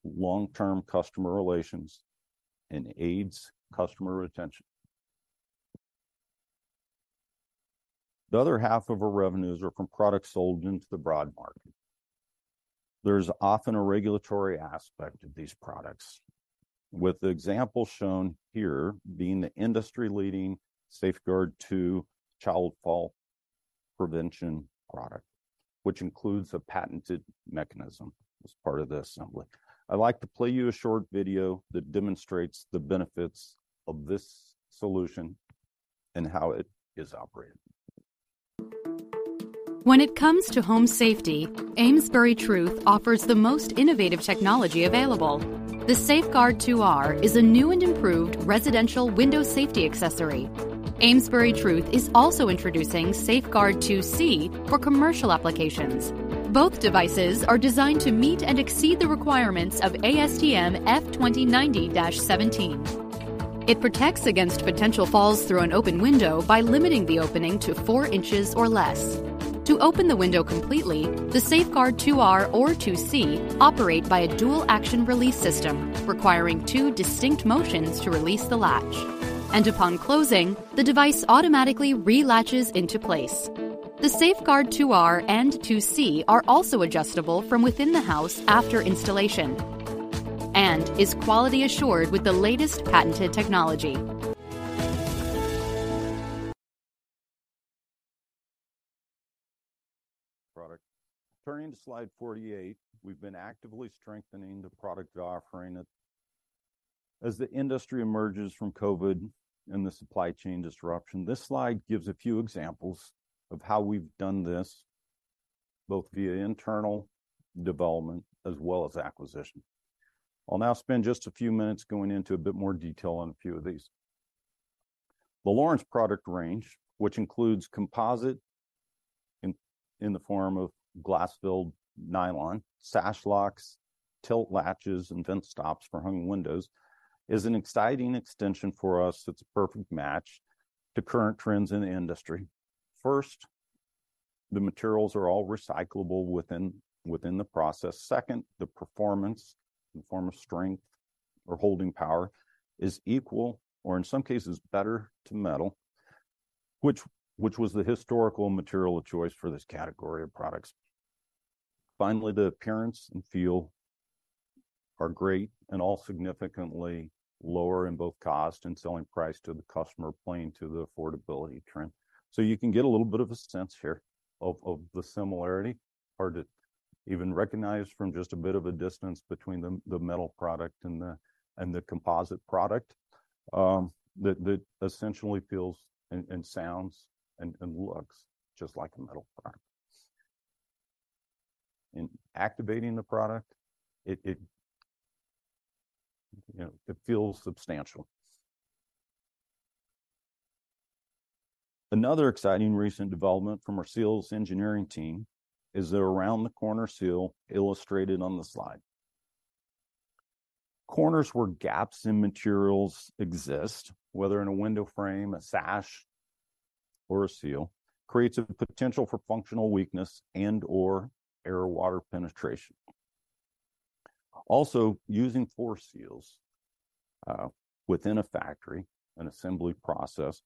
long-term customer relations and aids customer retention. The other half of our revenues are from products sold into the broad market. There's often a regulatory aspect to these products, with the example shown here being the industry-leading SafeGard 2 child fall prevention product, which includes a patented mechanism as part of the assembly. I'd like to play you a short video that demonstrates the benefits of this solution and how it is operated. When it comes to home safety, AmesburyTruth offers the most innovative technology available. The SafeGard 2R is a new and improved residential window safety accessory. AmesburyTruth is also introducing SafeGard 2C for commercial applications. Both devices are designed to meet and exceed the requirements of ASTM F2090-17. It protects against potential falls through an open window by limiting the opening to 4 inches or less. To open the window completely, the SafeGard 2R or 2C operate by a dual-action release system, requiring two distinct motions to release the latch, and upon closing, the device automatically relatches into place. The SafeGard 2R and 2C are also adjustable from within the house after installation, and is quality assured with the latest patented technology. Product. Turning to slide 48, we've been actively strengthening the product offering as the industry emerges from COVID and the supply chain disruption. This slide gives a few examples of how we've done this, both via internal development as well as acquisition. I'll now spend just a few minutes going into a bit more detail on a few of these. The Lawrence product range, which includes composite in the form of glass-filled nylon, sash locks, tilt latches, and vent stops for hung windows, is an exciting extension for us that's a perfect match to current trends in the industry. First, the materials are all recyclable within the process. Second, the performance, in the form of strength or holding power, is equal or in some cases better than metal, which was the historical material of choice for this category of products. Finally, the appearance and feel are great and all significantly lower in both cost and selling price to the customer, playing to the affordability trend. So you can get a little bit of a sense here of the similarity, or to even recognize from just a bit of a distance between the metal product and the composite product, that essentially feels and sounds and looks just like a metal product. In activating the product, it, you know, it feels substantial. Another exciting recent development from our seals engineering team is the around-the-corner seal illustrated on the slide. Corners where gaps in materials exist, whether in a window frame, a sash, or a seal, creates a potential for functional weakness and/or air/water penetration. Also, using four seals within a factory and assembly process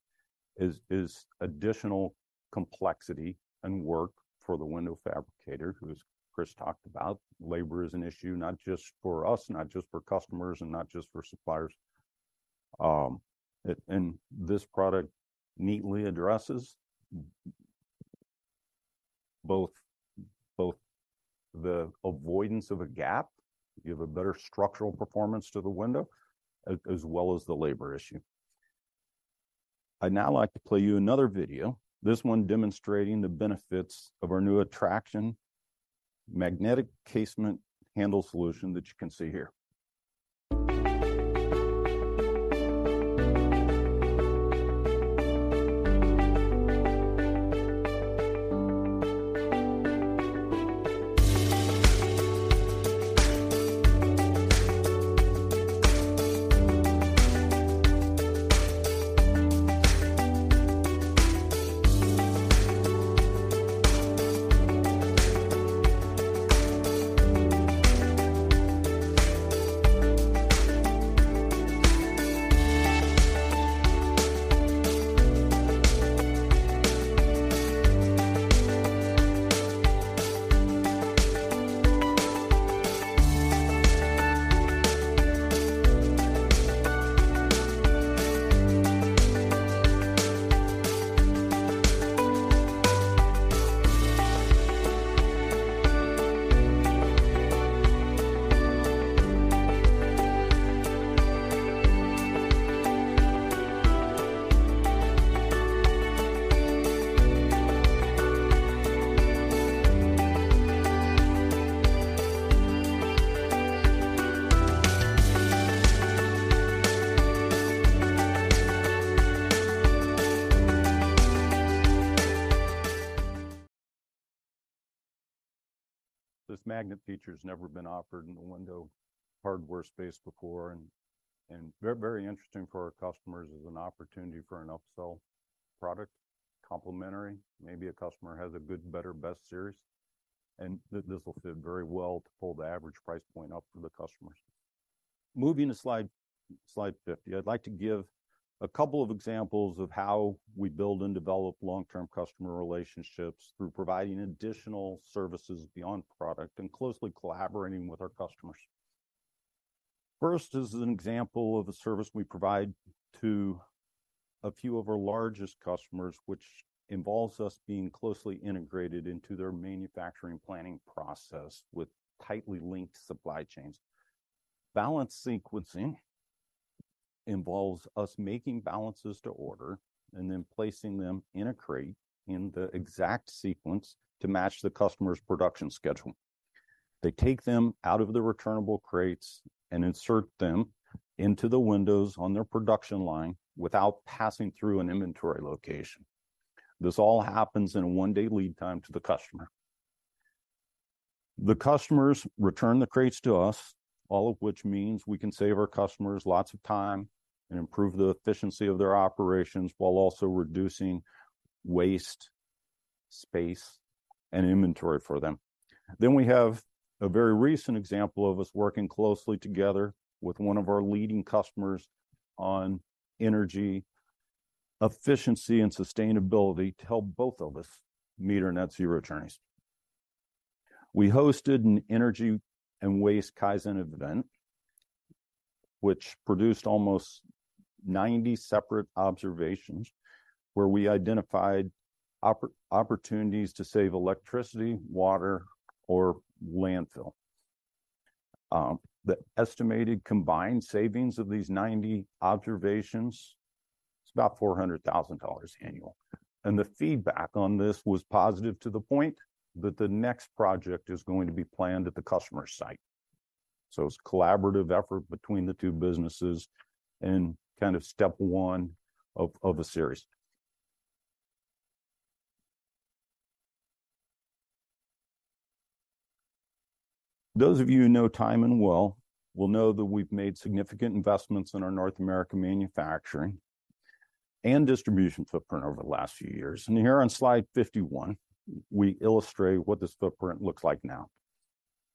is additional complexity and work for the window fabricator, who, as Chris talked about, labor is an issue, not just for us, not just for customers, and not just for suppliers. This product neatly addresses both the avoidance of a gap, you have a better structural performance to the window, as well as the labor issue. I'd now like to play you another video, this one demonstrating the benefits of our new Attraction, magnetic casement handle solution that you can see here. This magnet feature's never been offered in the window hardware space before, and very interesting for our customers as an opportunity for an upsell product, complementary. Maybe a customer has a good, better, best series, and this will fit very well to pull the average price point up for the customers. Moving to slide 50, I'd like to give a couple of examples of how we build and develop long-term customer relationships through providing additional services beyond product and closely collaborating with our customers. First is an example of a service we provide to a few of our largest customers, which involves us being closely integrated into their manufacturing planning process with tightly linked supply chains. Balance sequencing involves us making balances to order and then placing them in a crate in the exact sequence to match the customer's production schedule. They take them out of the returnable crates and insert them into the windows on their production line without passing through an inventory location. This all happens in a one-day lead time to the customer. The customers return the crates to us, all of which means we can save our customers lots of time and improve the efficiency of their operations, while also reducing waste, space, and inventory for them. Then we have a very recent example of us working closely together with one of our leading customers on energy efficiency and sustainability to help both of us meet our net zero journeys. We hosted an energy and waste Kaizen event, which produced almost 90 separate observations, where we identified opportunities to save electricity, water, or landfill. The estimated combined savings of these 90 observations is about $400,000 annual. And the feedback on this was positive to the point that the next project is going to be planned at the customer site. So it's a collaborative effort between the two businesses and kind of step one of a series. Those of you who know Tyman well will know that we've made significant investments in our North American manufacturing and distribution footprint over the last few years. And here on slide 51, we illustrate what this footprint looks like now.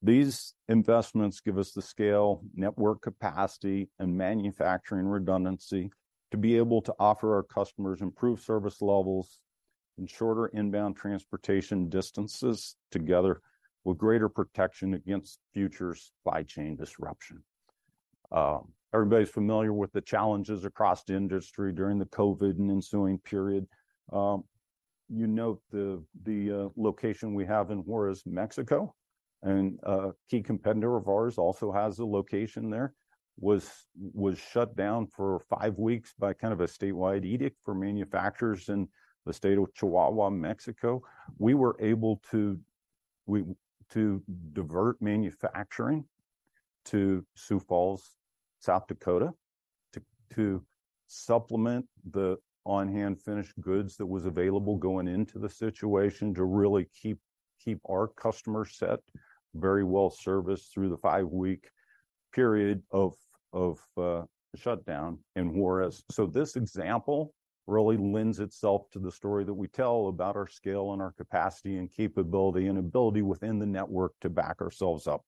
These investments give us the scale, network capacity, and manufacturing redundancy to be able to offer our customers improved service levels and shorter inbound transportation distances, together with greater protection against future supply chain disruption. Everybody's familiar with the challenges across the industry during the COVID and ensuing period. You note the location we have in Juárez, Mexico, and a key competitor of ours also has a location there, was shut down for five weeks by kind of a statewide edict for manufacturers in the state of Chihuahua, Mexico. We were able to divert manufacturing to Sioux Falls, South Dakota, to supplement the on-hand finished goods that was available going into the situation, to really keep our customer set very well serviced through the five-week period of shutdown in Juárez. So this example really lends itself to the story that we tell about our scale and our capacity and capability and ability within the network to back ourselves up.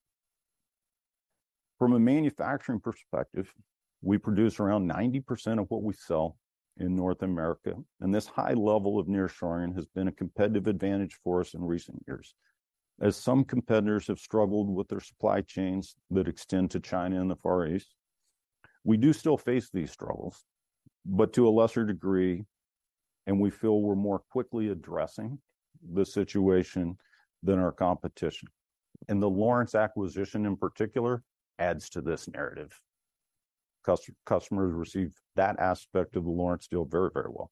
From a manufacturing perspective, we produce around 90% of what we sell in North America, and this high level of nearshoring has been a competitive advantage for us in recent years. As some competitors have struggled with their supply chains that extend to China and the Far East, we do still face these struggles, but to a lesser degree, and we feel we're more quickly addressing the situation than our competition. And the Lawrence acquisition, in particular, adds to this narrative. Customers receive that aspect of the Lawrence deal very, very well.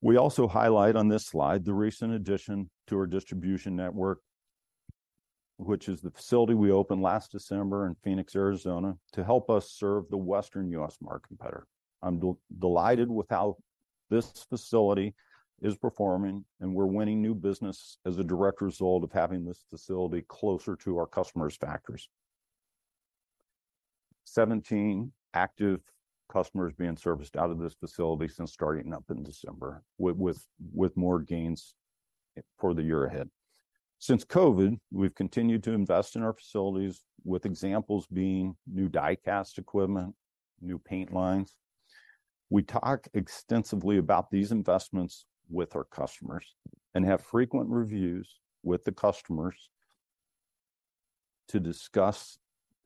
We also highlight on this slide the recent addition to our distribution network, which is the facility we opened last December in Phoenix, Arizona, to help us serve the Western U.S. market better. I'm delighted with how this facility is performing, and we're winning new business as a direct result of having this facility closer to our customers' factories. 17 active customers being serviced out of this facility since starting up in December, with more gains for the year ahead. Since COVID, we've continued to invest in our facilities, with examples being new die-cast equipment, new paint lines. We talk extensively about these investments with our customers, and have frequent reviews with the customers to discuss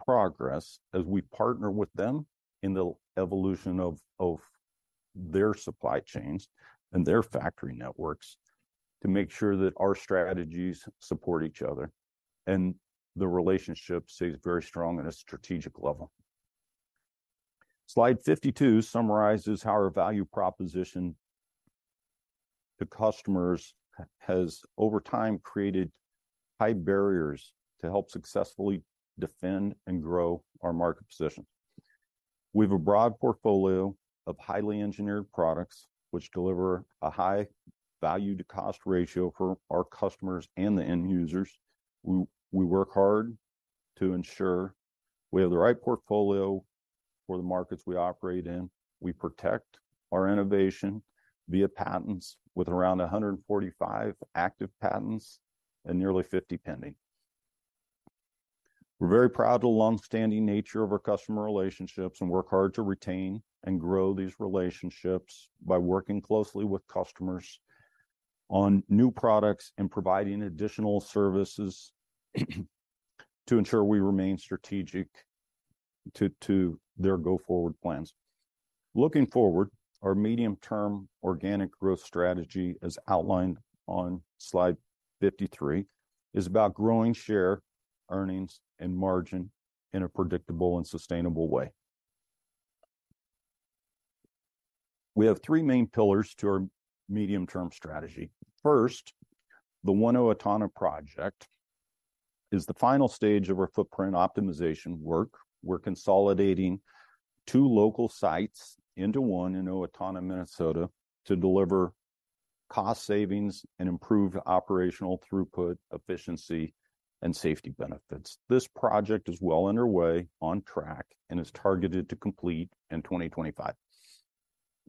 progress as we partner with them in the evolution of their supply chains and their factory networks, to make sure that our strategies support each other, and the relationship stays very strong at a strategic level. Slide 52 summarizes how our value proposition to customers has over time created high barriers to help successfully defend and grow our market position. We have a broad portfolio of highly engineered products, which deliver a high value to cost ratio for our customers and the end users. We work hard to ensure we have the right portfolio for the markets we operate in. We protect our innovation via patents, with around 145 active patents and nearly 50 pending. We're very proud of the long-standing nature of our customer relationships, and work hard to retain and grow these relationships by working closely with customers on new products and providing additional services, to ensure we remain strategic to their go-forward plans. Looking forward, our medium-term organic growth strategy, as outlined on slide 53, is about growing share, earnings, and margin in a predictable and sustainable way. We have three main pillars to our medium-term strategy. First, the One Owatonna project is the final stage of our footprint optimization work. We're consolidating two local sites into one in Owatonna, Minnesota, to deliver cost savings and improve operational throughput, efficiency, and safety benefits. This project is well underway, on track, and is targeted to complete in 2025.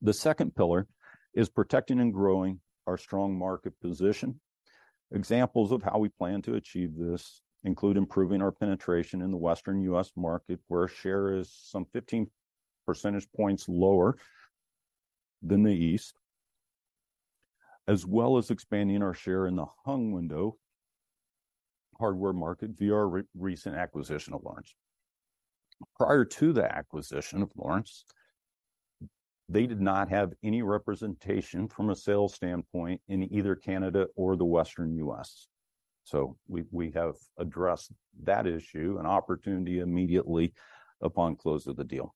The second pillar is protecting and growing our strong market position. Examples of how we plan to achieve this include: improving our penetration in the Western U.S. market, where our share is some 15 percentage points lower than the East, as well as expanding our share in the hung window hardware market via our recent acquisition of Lawrence. Prior to the acquisition of Lawrence, they did not have any representation from a sales standpoint in either Canada or the Western U.S. So we have addressed that issue and opportunity immediately upon close of the deal.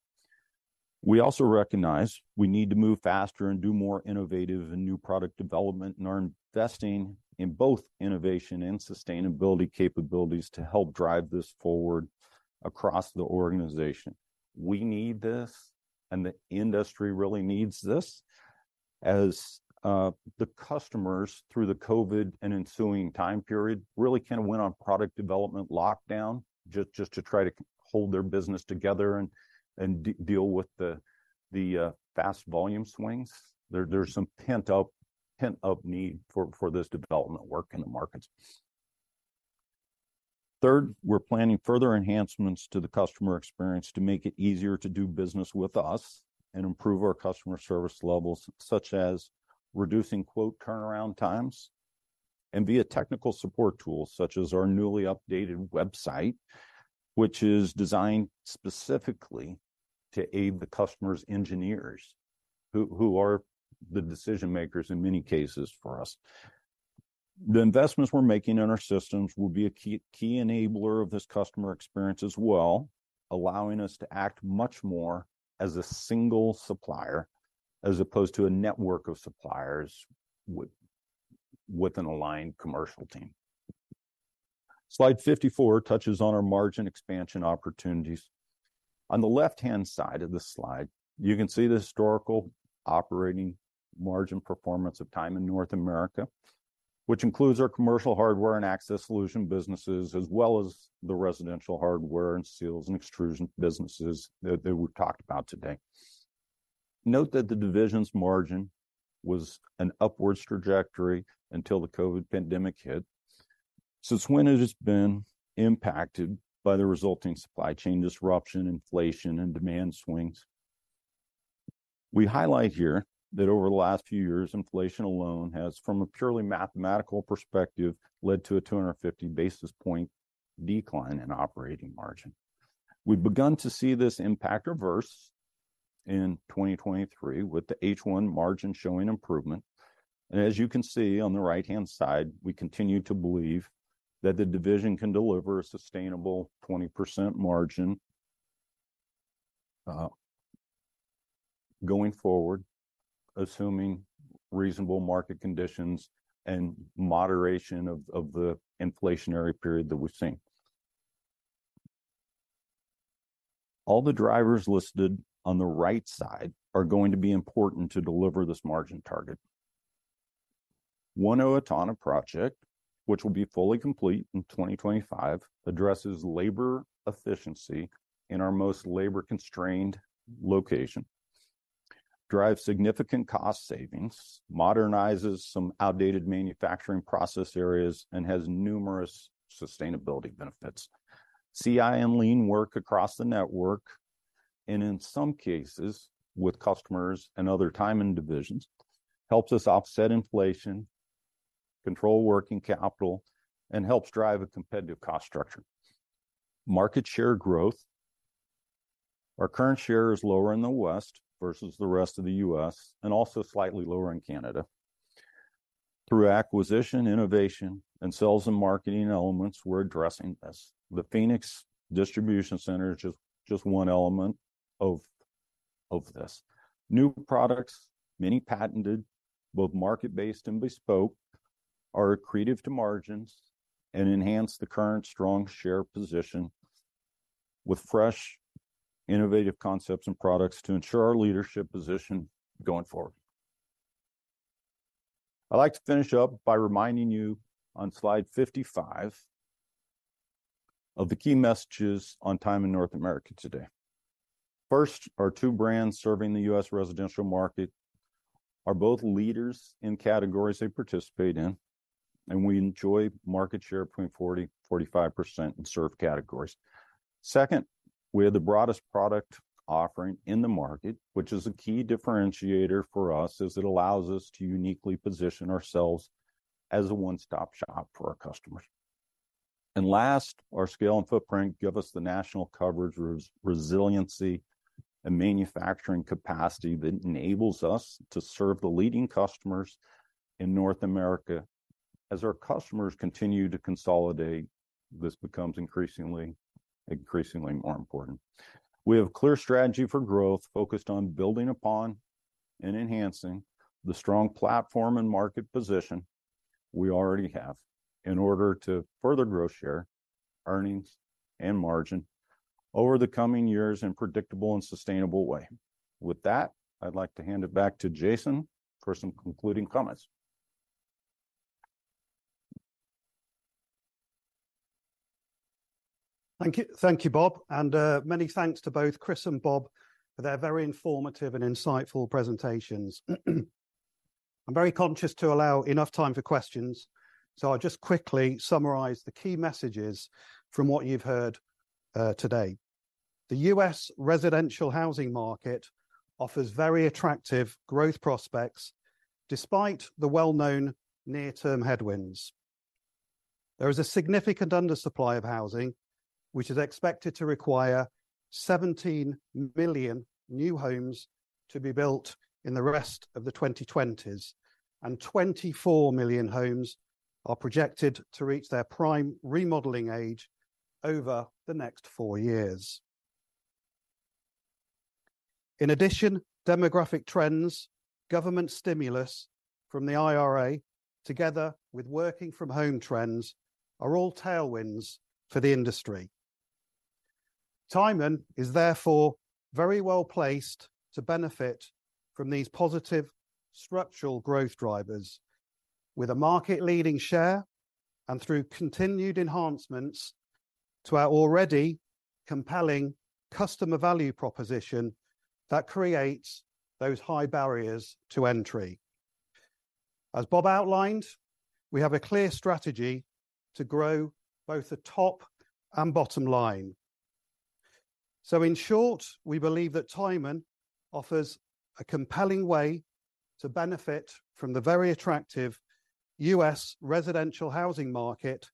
We also recognize we need to move faster and do more innovative and new product development, and are investing in both innovation and sustainability capabilities to help drive this forward across the organization. We need this, and the industry really needs this, as the customers, through the COVID and ensuing time period, really kinda went on product development lockdown, just to try to hold their business together and deal with the fast volume swings. There's some pent-up need for this development work in the marketplace. Third, we're planning further enhancements to the customer experience to make it easier to do business with us and improve our customer service levels, such as reducing quote turnaround times, and via technical support tools, such as our newly updated website, which is designed specifically to aid the customer's engineers, who are the decision makers in many cases for us. The investments we're making in our systems will be a key enabler of this customer experience as well, allowing us to act much more as a single supplier, as opposed to a network of suppliers with an aligned commercial team. Slide 54 touches on our margin expansion opportunities. On the left-hand side of this slide, you can see the historical operating margin performance of Tyman in North America, which includes our commercial hardware and access solution businesses, as well as the residential hardware, and seals, and extrusion businesses that we've talked about today. Note that the division's margin was on an upward trajectory until the COVID pandemic hit. Since then it has been impacted by the resulting supply chain disruption, inflation, and demand swings. We highlight here that over the last few years, inflation alone has, from a purely mathematical perspective, led to a 250 basis point decline in operating margin. We've begun to see this impact reverse in 2023, with the H1 margin showing improvement. As you can see on the right-hand side, we continue to believe that the division can deliver a sustainable 20% margin, going forward, assuming reasonable market conditions and moderation of the inflationary period that we've seen. All the drivers listed on the right side are going to be important to deliver this margin target. One Owatonna project, which will be fully complete in 2025, addresses labor efficiency in our most labor-constrained location, drives significant cost savings, modernizes some outdated manufacturing process areas, and has numerous sustainability benefits. CI and lean work across the network, and in some cases, with customers and other Tyman divisions, helps us offset inflation, control working capital, and helps drive a competitive cost structure. Market share growth. Our current share is lower in the West versus the rest of the U.S., and also slightly lower in Canada. Through acquisition, innovation, and sales and marketing elements, we're addressing this. The Phoenix distribution center is just one element of this. New products, many patented, both market-based and bespoke, are accretive to margins and enhance the current strong share position with fresh, innovative concepts and products to ensure our leadership position going forward. I'd like to finish up by reminding you on slide 55 of the key messages on Tyman North America today. First, our two brands serving the U.S. residential market are both leaders in categories they participate in, and we enjoy market share between 40%-45% in served categories. Second, we have the broadest product offering in the market, which is a key differentiator for us, as it allows us to uniquely position ourselves as a one-stop shop for our customers. Last, our scale and footprint give us the national coverage, resiliency, and manufacturing capacity that enables us to serve the leading customers in North America. As our customers continue to consolidate, this becomes increasingly, increasingly more important. We have clear strategy for growth, focused on building upon and enhancing the strong platform and market position we already have, in order to further grow share, earnings, and margin over the coming years in a predictable and sustainable way. With that, I'd like to hand it back to Jason for some concluding comments. Thank you. Thank you, Bob, and many thanks to both Chris and Bob for their very informative and insightful presentations. I'm very conscious to allow enough time for questions, so I'll just quickly summarize the key messages from what you've heard, today. The U.S. residential housing market offers very attractive growth prospects despite the well-known near-term headwinds. There is a significant undersupply of housing, which is expected to require 17 million new homes to be built in the rest of the 2020s, and 24 million homes are projected to reach their prime remodeling age over the next four years. In addition, demographic trends, government stimulus from the IRA, together with working from home trends, are all tailwinds for the industry. Tyman is therefore very well placed to benefit from these positive structural growth drivers, with a market-leading share and through continued enhancements to our already compelling customer value proposition that creates those high barriers to entry. As Bob outlined, we have a clear strategy to grow both the top and bottom line. So in short, we believe that Tyman offers a compelling way to benefit from the very attractive U.S. residential housing market,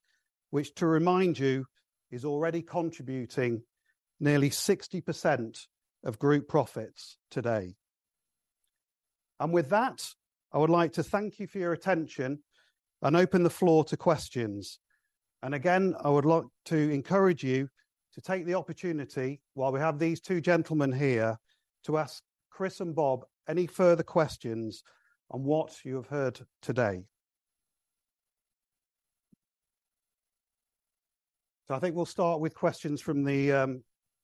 which, to remind you, is already contributing nearly 60% of group profits today. And with that, I would like to thank you for your attention and open the floor to questions. And again, I would like to encourage you to take the opportunity, while we have these two gentlemen here, to ask Chris and Bob any further questions on what you have heard today. So I think we'll start with questions from the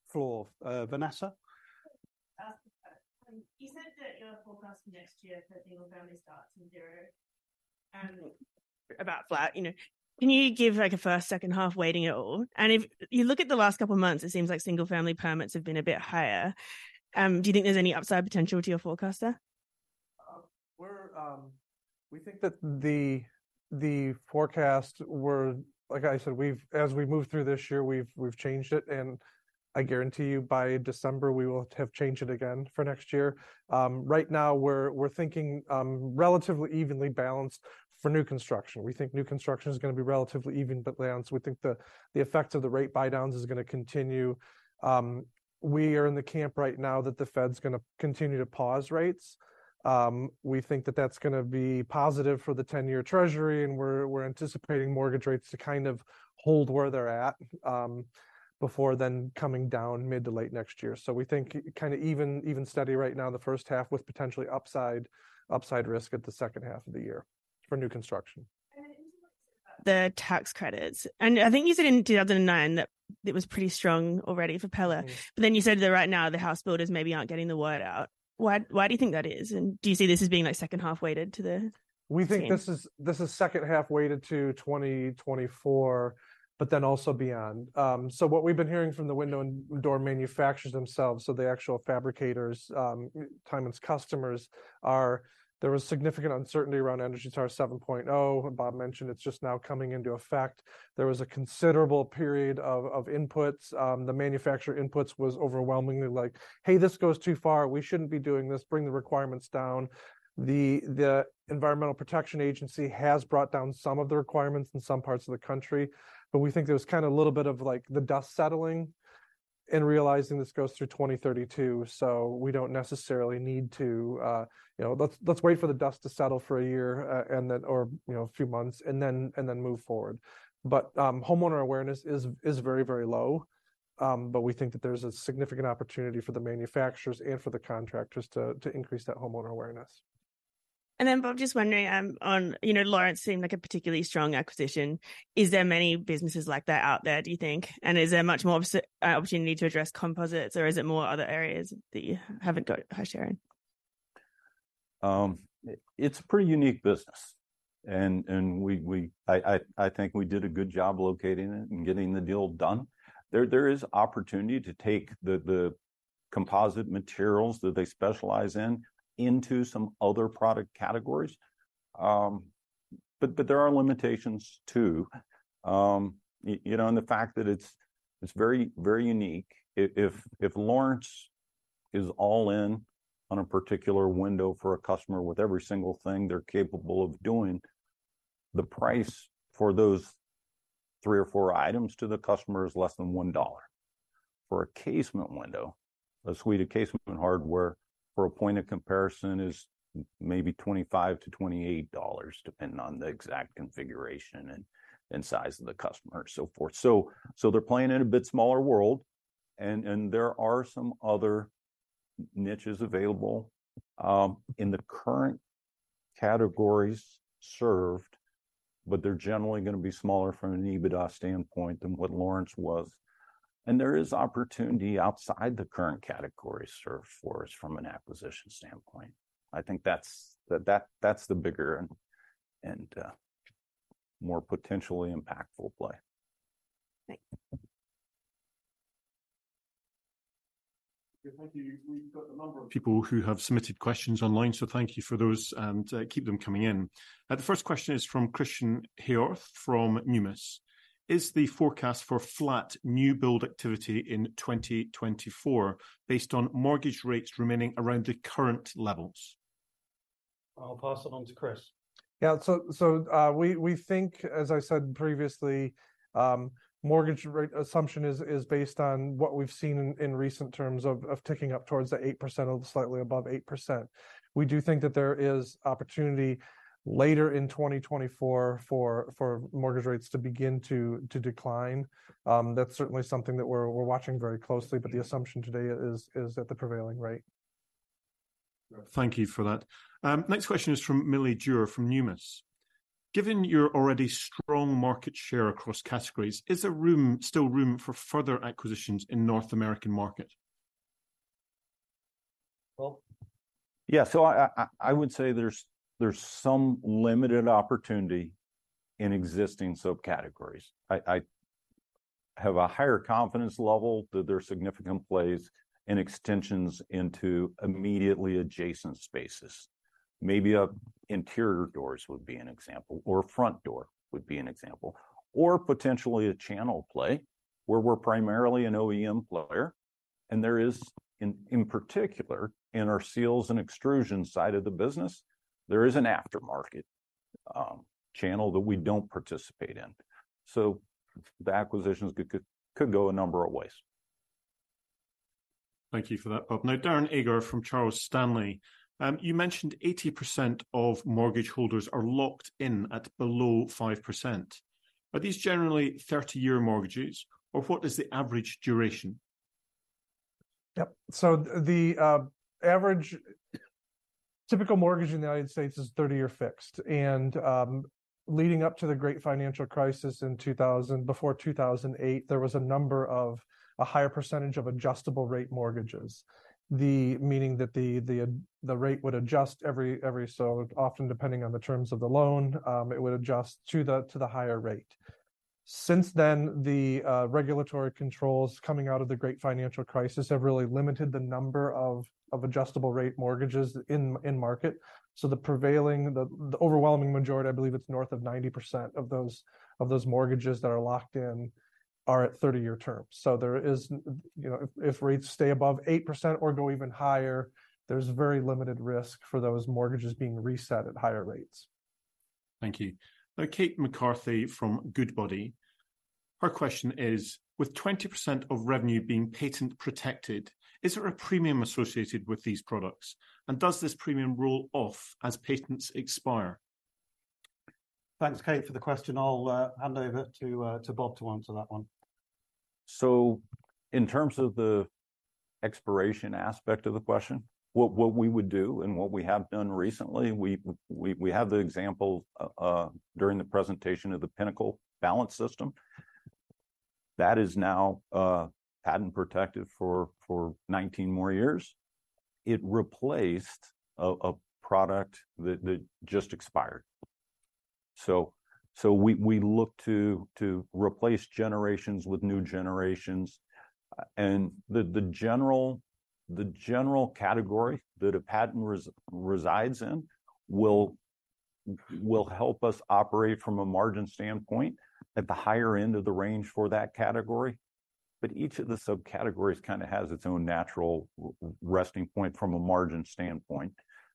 floor. Vanessa? You said that your forecast for next year for single-family starts from zero, about flat, you know. Can you give, like, a first, second half weighting at all? And if you look at the last couple of months, it seems like single-family permits have been a bit higher. Do you think there's any upside potential to your forecast there? We're, we think that the forecast were. Like I said, we've changed it, and I guarantee you, by December, we will have changed it again for next year. Right now, we're thinking relatively evenly balanced for new construction. We think new construction is gonna be relatively even, but balanced. We think the effect of the rate buydowns is gonna continue. We are in the camp right now that the Fed's gonna continue to pause rates. We think that that's gonna be positive for the 10-year treasury, and we're anticipating mortgage rates to kind of hold where they're at, before then coming down mid to late next year. We think kinda even, even steady right now in the first half, with potentially upside, upside risk at the second half of the year for new construction. Into, like, the tax credits. I think you said in 2009 that it was pretty strong already for Pella. But then you said that right now, the house builders maybe aren't getting the word out. Why, why do you think that is? And do you see this as being, like, second half-weighted to the. We think this is This is second half-weighted to 2024, but then also beyond. So what we've been hearing from the window and door manufacturers themselves, so the actual fabricators, Tyman's customers, are, there was significant uncertainty around Energy Star 7.0. Bob mentioned it's just now coming into effect. There was a considerable period of inputs. The manufacturer inputs was overwhelmingly like, "Hey, this goes too far. We shouldn't be doing this. Bring the requirements down." The Environmental Protection Agency has brought down some of the requirements in some parts of the country, but we think there was kind of a little bit of, like, the dust settling and realizing this goes through 2032, so we don't necessarily need to, you know, let's wait for the dust to settle for a year, and then, or, you know, a few months, and then move forward. But, homeowner awareness is very, very low. But we think that there's a significant opportunity for the manufacturers and for the contractors to increase that homeowner awareness. And then, Bob, just wondering, on, you know, Lawrence seemed like a particularly strong acquisition. Is there many businesses like that out there, do you think? And is there much more opportunity to address composites, or is it more other areas that you haven't got high sharing? It's a pretty unique business, and we—I think we did a good job locating it and getting the deal done. There is opportunity to take the composite materials that they specialize in, into some other product categories. But there are limitations, too. You know, and the fact that it's very unique. If Lawrence is all in on a particular window for a customer with every single thing they're capable of doing, the price for those three or four items to the customer is less than $1. For a casement window, a suite of casement hardware, for a point of comparison, is maybe $25-$28, depending on the exact configuration and size of the customer, so forth. So, they're playing in a bit smaller world, and there are some other niches available in the current categories served, but they're generally gonna be smaller from an EBITDA standpoint than what Lawrence was. And there is opportunity outside the current categories served for us from an acquisition standpoint. I think that's the bigger and more potentially impactful play. Thank you. Thank you. We've got a number of people who have submitted questions online, so thank you for those, and keep them coming in. The first question is from Christen Hjorth from Numis: Is the forecast for flat new build activity in 2024 based on mortgage rates remaining around the current levels? I'll pass it on to Chris. Yeah, so, we think, as I said previously, mortgage rate assumption is based on what we've seen in recent terms of ticking up towards the 8% or slightly above 8%. We do think that there is opportunity later in 2024 for mortgage rates to begin to decline. That's certainly something that we're watching very closely, but the assumption today is at the prevailing rate. Thank you for that. Next question is from Milly Dewar from Numis: Given your already strong market share across categories, is there room, still room for further acquisitions in North American market? Bob? Yeah, so I would say there's some limited opportunity in existing subcategories. I have a higher confidence level that there are significant plays and extensions into immediately adjacent spaces. Maybe, interior doors would be an example, or a front door would be an example, or potentially a channel play, where we're primarily an OEM player, and there is, in particular, in our seals and extrusion side of the business, there is an aftermarket channel that we don't participate in. So the acquisitions could go a number of ways. Thank you for that, Bob. Now, Darren Ager from Charles Stanley: You mentioned 80% of mortgage holders are locked in at below 5%. Are these generally 30-year mortgages, or what is the average duration? Yep. So the average typical mortgage in the United States is 30-year fixed. And leading up to the great financial crisis in 2000, before 2008, there was a higher percentage of adjustable-rate mortgages, meaning that the rate would adjust every so often, depending on the terms of the loan. It would adjust to the higher rate. Since then, the regulatory controls coming out of the great financial crisis have really limited the number of adjustable-rate mortgages in market. So the prevailing, the overwhelming majority, I believe it's north of 90% of those mortgages that are locked in, are at 30-year terms. There is, you know, if rates stay above 8% or go even higher, there's very limited risk for those mortgages being reset at higher rates. Thank you. Now, Kate McCarthy from Goodbody, her question is: With 20% of revenue being patent-protected, is there a premium associated with these products, and does this premium roll off as patents expire? Thanks, Kate, for the question. I'll hand over to Bob to answer that one. So in terms of the expiration aspect of the question, what we would do and what we have done recently, we have the example during the presentation of the Pinnacle Balance system. That is now patent protected for 19 more years. It replaced a product that just expired. So we look to replace generations with new generations. And the general category that a patent resides in will help us operate from a margin standpoint at the higher end of the range for that category. But each of the subcategories kind of has its own natural resting point from a margin standpoint.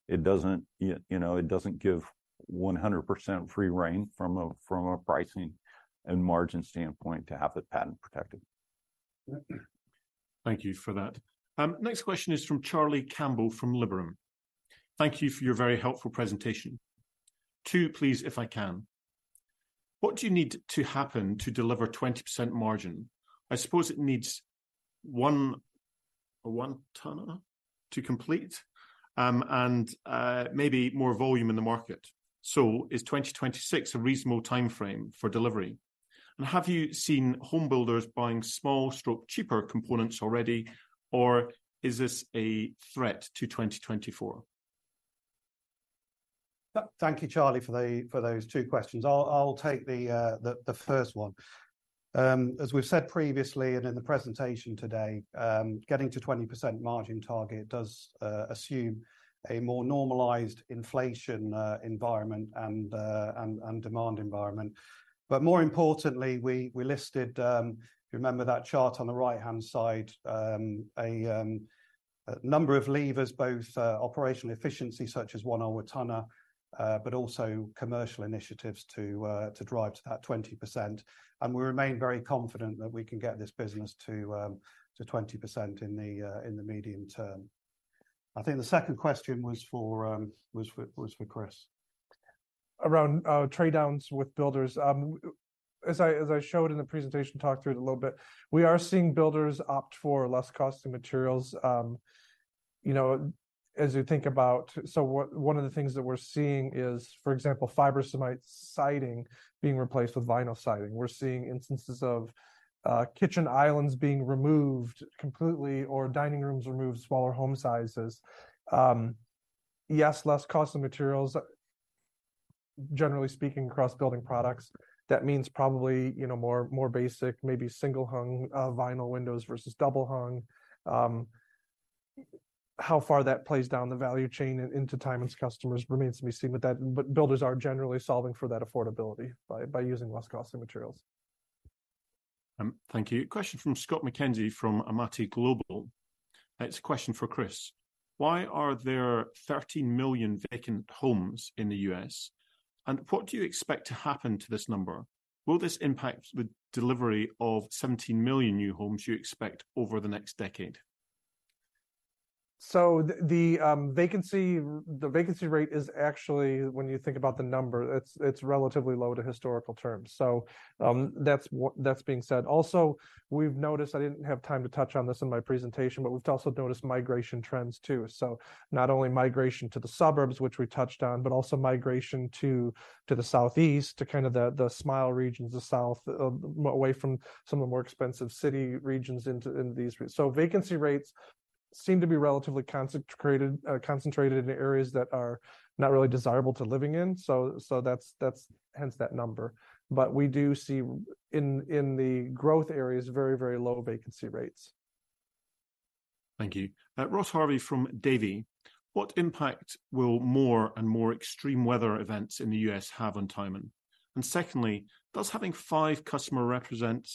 It doesn't, you know, it doesn't give 100% free rein from a pricing and margin standpoint to have the patent protected. Thank you for that. Next question is from Charlie Campbell, from Liberum. Thank you for your very helpful presentation. Two, please, if I can. What do you need to happen to deliver 20% margin? I suppose it needs a one tonner to complete, and maybe more volume in the market. So is 2026 a reasonable timeframe for delivery? And have you seen home builders buying small stroke, cheaper components already, or is this a threat to 2024? Thank you, Charlie, for those two questions. I'll take the first one. As we've said previously and in the presentation today, getting to 20% margin target does assume a more normalized inflation environment and demand environment. But more importantly, we listed, if you remember that chart on the right-hand side, a number of levers, both operational efficiency such as One Owatonna, but also commercial initiatives to drive to that 20%, and we remain very confident that we can get this business to 20% in the medium term. I think the second question was for Chris. Around trade-downs with builders. As I showed in the presentation, talked through it a little bit, we are seeing builders opt for less costly materials. You know, as you think about, so one of the things that we're seeing is, for example, fiber cement siding being replaced with vinyl siding. We're seeing instances of kitchen islands being removed completely, or dining rooms removed, smaller home sizes. Yes, less costly materials, generally speaking, across building products, that means probably, you know, more basic, maybe single-hung vinyl windows versus double-hung. How far that plays down the value chain into Tyman's customers remains to be seen, but that, but builders are generally solving for that affordability by using less costly materials. Thank you. Question from Scott McKenzie from Amati Global. It's a question for Chris: Why are there 13 million vacant homes in the U.S., and what do you expect to happen to this number? Will this impact the delivery of 17 million new homes you expect over the next decade? So the vacancy rate is actually, when you think about the number, it's relatively low to historical terms. So, that's being said. Also, we've noticed, I didn't have time to touch on this in my presentation, but we've also noticed migration trends too. So not only migration to the suburbs, which we touched on, but also migration to the southeast, to kind of the smile regions, the south, away from some of the more expensive city regions into these regions. So vacancy rates seem to be relatively concentrated in areas that are not really desirable to living in, so that's hence that number. But we do see in the growth areas, very, very low vacancy rates. Thank you. Ross Harvey from Davy: What impact will more and more extreme weather events in the U.S. have on Tyman? And secondly, does having five customers represent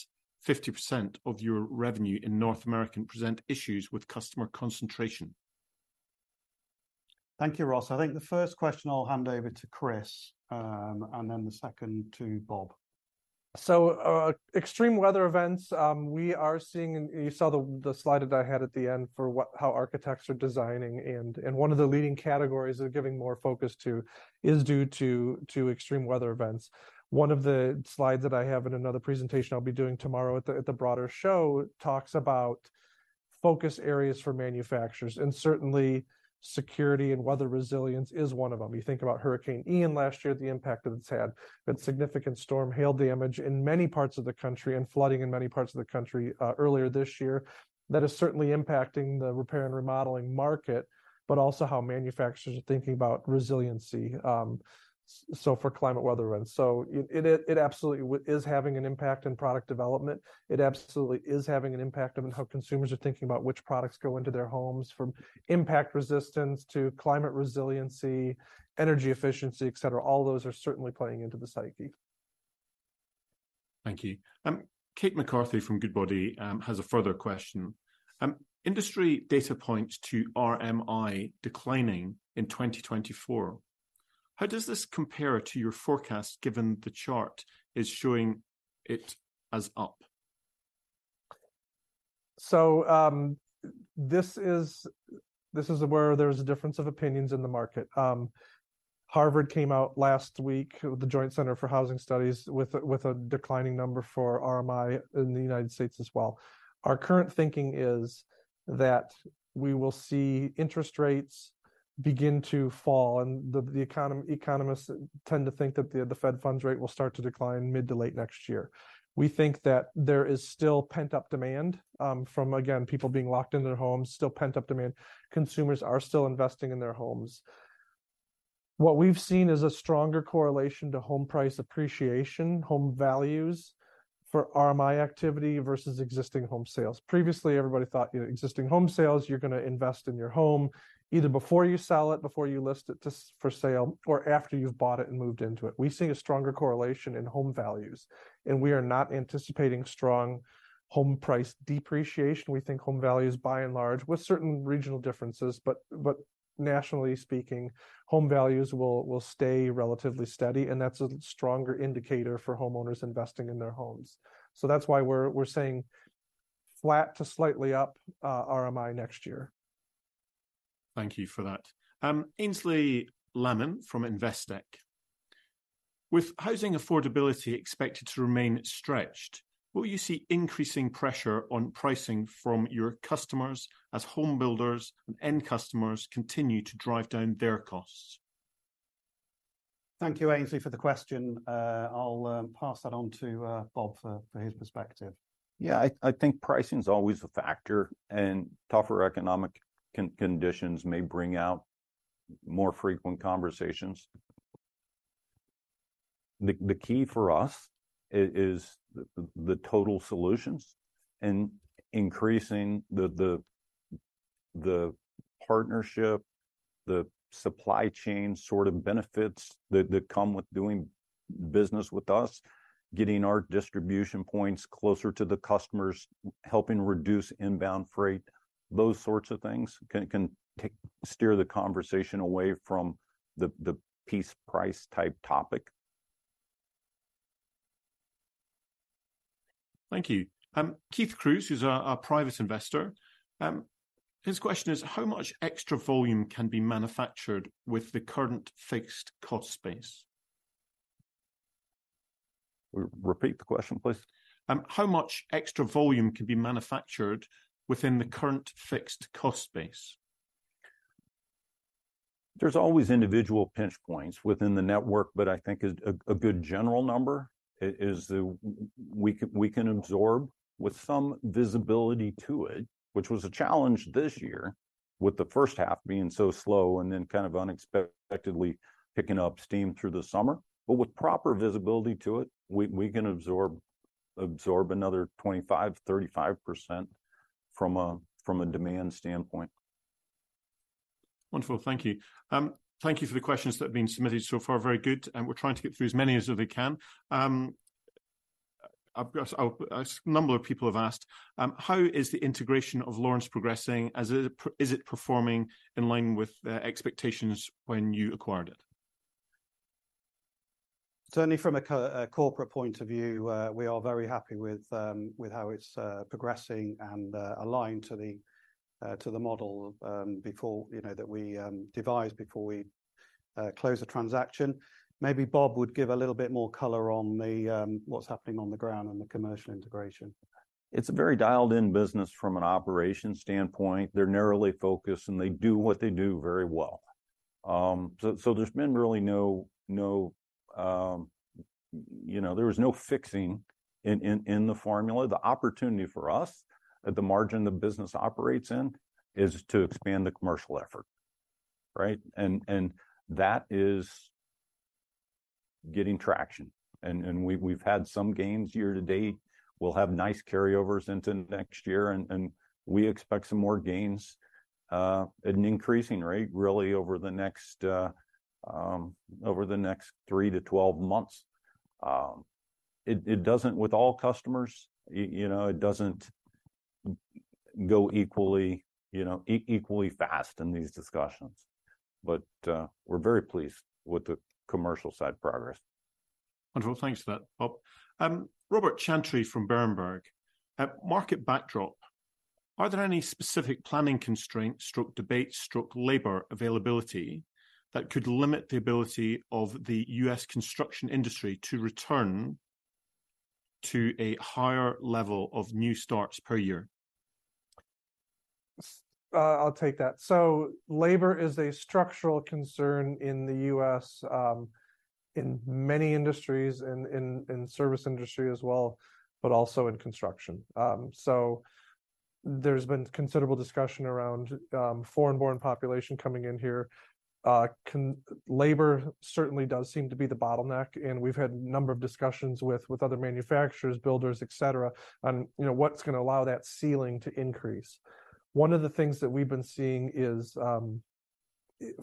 50% of your revenue in North America present issues with customer concentration? Thank you, Ross. I think the first question I'll hand over to Chris, and then the second to Bob. So, extreme weather events, we are seeing. You saw the slide that I had at the end for how architects are designing, and one of the leading categories they're giving more focus to is due to extreme weather events. One of the slides that I have in another presentation I'll be doing tomorrow at the broader show talks about focus areas for manufacturers, and certainly security and weather resilience is one of them. You think about Hurricane Ian last year, the impact that it's had, but significant storm hail damage in many parts of the country and flooding in many parts of the country earlier this year. That is certainly impacting the repair and remodeling market, but also how manufacturers are thinking about resiliency, so for climate weather events. It absolutely is having an impact on product development. It absolutely is having an impact on how consumers are thinking about which products go into their homes, from impact resistance to climate resiliency, energy efficiency, et cetera. All those are certainly playing into the psyche. Thank you. Kate McCarthy from Goodbody has a further question. Industry data points to RMI declining in 2024. How does this compare to your forecast, given the chart is showing it as up? So, this is where there's a difference of opinions in the market. Harvard came out last week, the Joint Center for Housing Studies, with a declining number for RMI in the United States as well. Our current thinking is that we will see interest rates begin to fall, and the economists tend to think that the Fed funds rate will start to decline mid to late next year. We think that there is still pent-up demand, from, again, people being locked in their homes, still pent-up demand. Consumers are still investing in their homes. What we've seen is a stronger correlation to home price appreciation, home values, for RMI activity versus existing home sales. Previously, everybody thought, you know, existing home sales, you're gonna invest in your home either before you sell it, before you list it just for sale, or after you've bought it and moved into it. We're seeing a stronger correlation in home values, and we are not anticipating strong home price depreciation. We think home values, by and large, with certain regional differences, but nationally speaking, home values will stay relatively steady, and that's a stronger indicator for homeowners investing in their homes. So that's why we're saying flat to slightly up, RMI next year. Thank you for that. Aynsley Lammin from Investec: With housing affordability expected to remain stretched, will you see increasing pressure on pricing from your customers as home builders and end customers continue to drive down their costs? Thank you, Aynsley, for the question. I'll pass that on to Bob for his perspective. Yeah, I think pricing's always a factor, and tougher economic conditions may bring out more frequent conversations. The key for us is the total solutions and increasing the partnership, the supply chain sort of benefits that come with doing business with us, getting our distribution points closer to the customers, helping reduce inbound freight. Those sorts of things can steer the conversation away from the piece price type topic. Thank you. Keith Cruz, who's a private investor, his question is: How much extra volume can be manufactured with the current fixed cost base? Repeat the question, please. How much extra volume can be manufactured within the current fixed cost base? There's always individual pinch points within the network, but I think a good general number is the, we can absorb with some visibility to it, which was a challenge this year, with the first half being so slow and then kind of unexpectedly picking up steam through the summer. But with proper visibility to it, we can absorb another 25%-35% from a demand standpoint. Wonderful. Thank you. Thank you for the questions that have been submitted so far. Very good, and we're trying to get through as many as we can. I've got a number of people have asked: How is the integration of Lawrence progressing? As it, is it performing in line with the expectations when you acquired it? Certainly from a corporate point of view, we are very happy with how it's progressing and aligned to the model before, you know, that we devised before we closed the transaction. Maybe Bob would give a little bit more color on what's happening on the ground and the commercial integration. It's a very dialed-in business from an operations standpoint. They're narrowly focused, and they do what they do very well. So, there's been really no, you know, there was no fixing in the formula. The opportunity for us, at the margin the business operates in, is to expand the commercial effort, right? And that is getting traction, and we've had some gains year to date. We'll have nice carryovers into next year, and we expect some more gains at an increasing rate, really, over the next three to 12 months. It doesn't with all customers, you know, it doesn't go equally, you know, equally fast in these discussions. But, we're very pleased with the commercial side progress. Wonderful. Thanks for that, Bob. Robert Chantry from Berenberg: Against the market backdrop, are there any specific planning constraints/debates/labor availability that could limit the ability of the U.S. construction industry to return to a higher level of new starts per year? I'll take that. So labor is a structural concern in the U.S., in many industries, in service industry as well, but also in construction. So there's been considerable discussion around foreign-born population coming in here. Labor certainly does seem to be the bottleneck, and we've had a number of discussions with other manufacturers, builders, et cetera, on, you know, what's gonna allow that ceiling to increase. One of the things that we've been seeing is,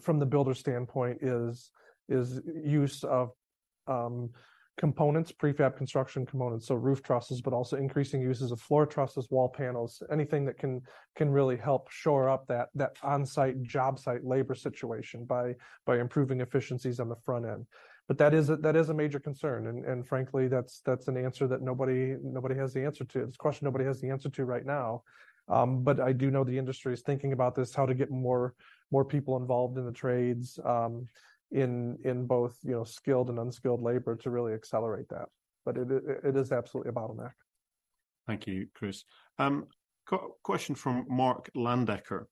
from the builder standpoint is use of components, prefab construction components, so roof trusses, but also increasing uses of floor trusses, wall panels, anything that can really help shore up that on-site, job site labor situation by improving efficiencies on the front end. But that is a major concern, and frankly, that's an answer that nobody has the answer to. It's a question nobody has the answer to right now. But I do know the industry is thinking about this, how to get more people involved in the trades, in both, you know, skilled and unskilled labor to really accelerate that. But it is absolutely a bottleneck. Thank you, Chris. Question from Mark Landecker.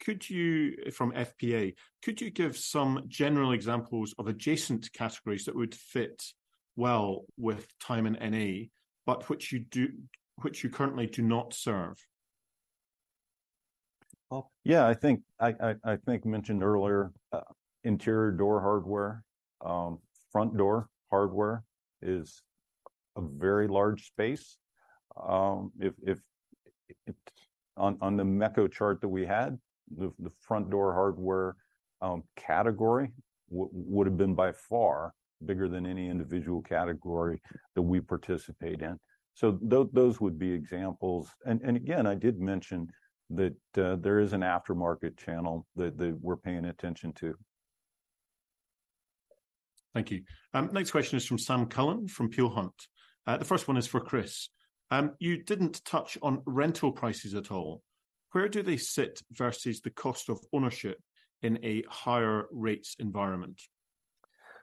"Could you," from FPA, "Could you give some general examples of adjacent categories that would fit well with Tyman NA, but which you currently do not serve? Well, yeah, I think I mentioned earlier, interior door hardware, front door hardware is a very large space. If on the Mekko chart that we had, the front door hardware category would've been by far bigger than any individual category that we participate in. So those would be examples. And again, I did mention that there is an aftermarket channel that we're paying attention to. Thank you. Next question is from Sam Cullen, from Peel Hunt. The first one is for Chris. "You didn't touch on rental prices at all. Where do they sit versus the cost of ownership in a higher rates environment?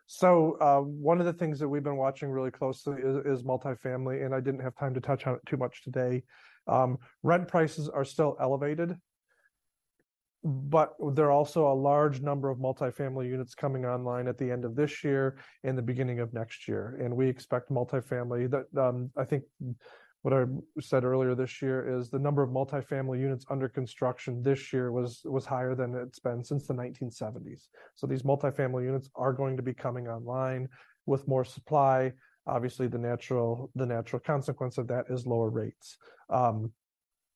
So, one of the things that we've been watching really closely is multifamily, and I didn't have time to touch on it too much today. Rent prices are still elevated, but there are also a large number of multifamily units coming online at the end of this year and the beginning of next year, and we expect multifamily, that, I think what I said earlier this year, is the number of multifamily units under construction this year was higher than it's been since the 1970s. So these multifamily units are going to be coming online with more supply. Obviously, the natural consequence of that is lower rates.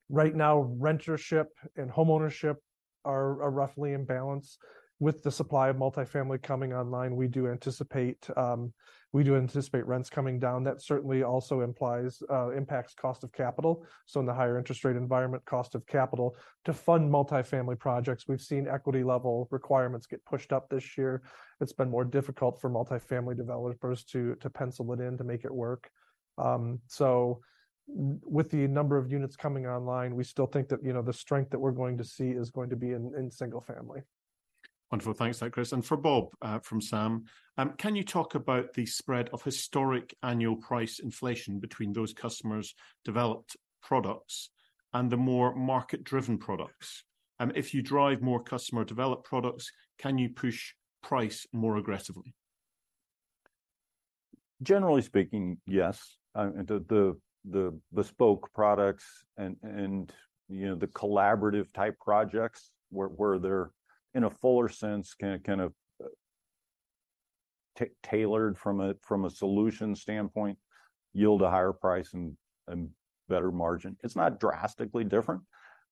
Right now, rentership and homeownership are roughly in balance. With the supply of multifamily coming online, we do anticipate, we do anticipate rents coming down. That certainly also implies impacts cost of capital, so in the higher interest rate environment, cost of capital, to fund multifamily projects. We've seen equity level requirements get pushed up this year. It's been more difficult for multifamily developers to pencil it in, to make it work. So with the number of units coming online, we still think that, you know, the strength that we're going to see is going to be in single family. Wonderful. Thanks for that, Chris. And for Bob, from Sam: "Can you talk about the spread of historic annual price inflation between those customers' developed products and the more market-driven products? And if you drive more customer-developed products, can you push price more aggressively? Generally speaking, yes. And the bespoke products and, you know, the collaborative-type projects, where they're, in a fuller sense, kind of tailored from a solutions standpoint, yield a higher price and better margin. It's not drastically different.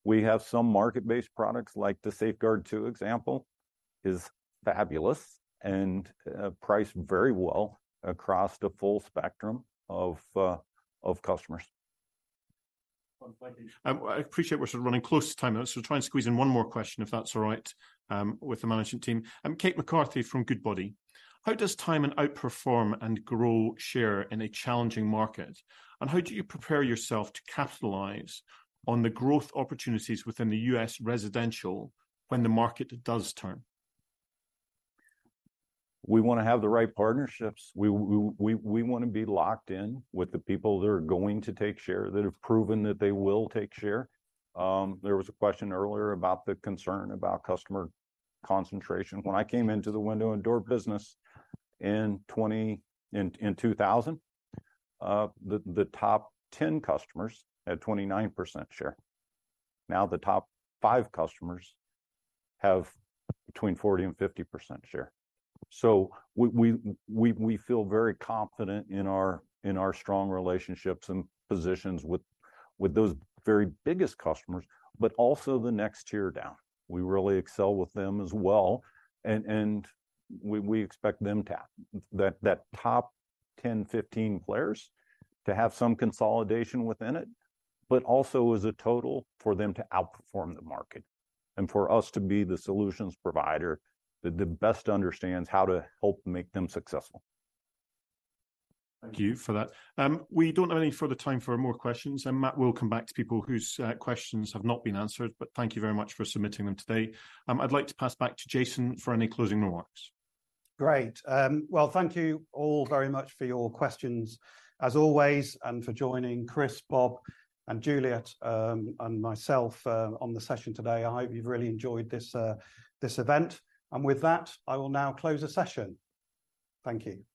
We have some market-based products, like the SafeGard 2 example, is fabulous and priced very well across the full spectrum of customers. Wonderful, thank you. I appreciate we're sort of running close to time, so I'll try and squeeze in one more question, if that's all right, with the management team. Kate McCarthy from Goodbody: "How does Tyman outperform and grow share in a challenging market, and how do you prepare yourself to capitalize on the growth opportunities within the U.S. residential when the market does turn? We wanna have the right partnerships. We wanna be locked in with the people that are going to take share, that have proven that they will take share. There was a question earlier about the concern about customer concentration. When I came into the window and door business in 2000, the top 10 customers had 29% share. Now, the top five customers have between 40% and 50% share. So we feel very confident in our strong relationships and positions with those very biggest customers, but also the next tier down. We really excel with them as well, and we expect them to have that top 10, 15 players, to have some consolidation within it, but also as a total, for them to outperform the market, and for us to be the solutions provider that the best understands how to help make them successful. Thank you for that. We don't have any further time for more questions, and Matt will come back to people whose, questions have not been answered, but thank you very much for submitting them today. I'd like to pass back to Jason for any closing remarks. Great. Well, thank you all very much for your questions, as always, and for joining Chris, Bob, and Juliette, and myself, on the session today. I hope you've really enjoyed this event. With that, I will now close the session. Thank you.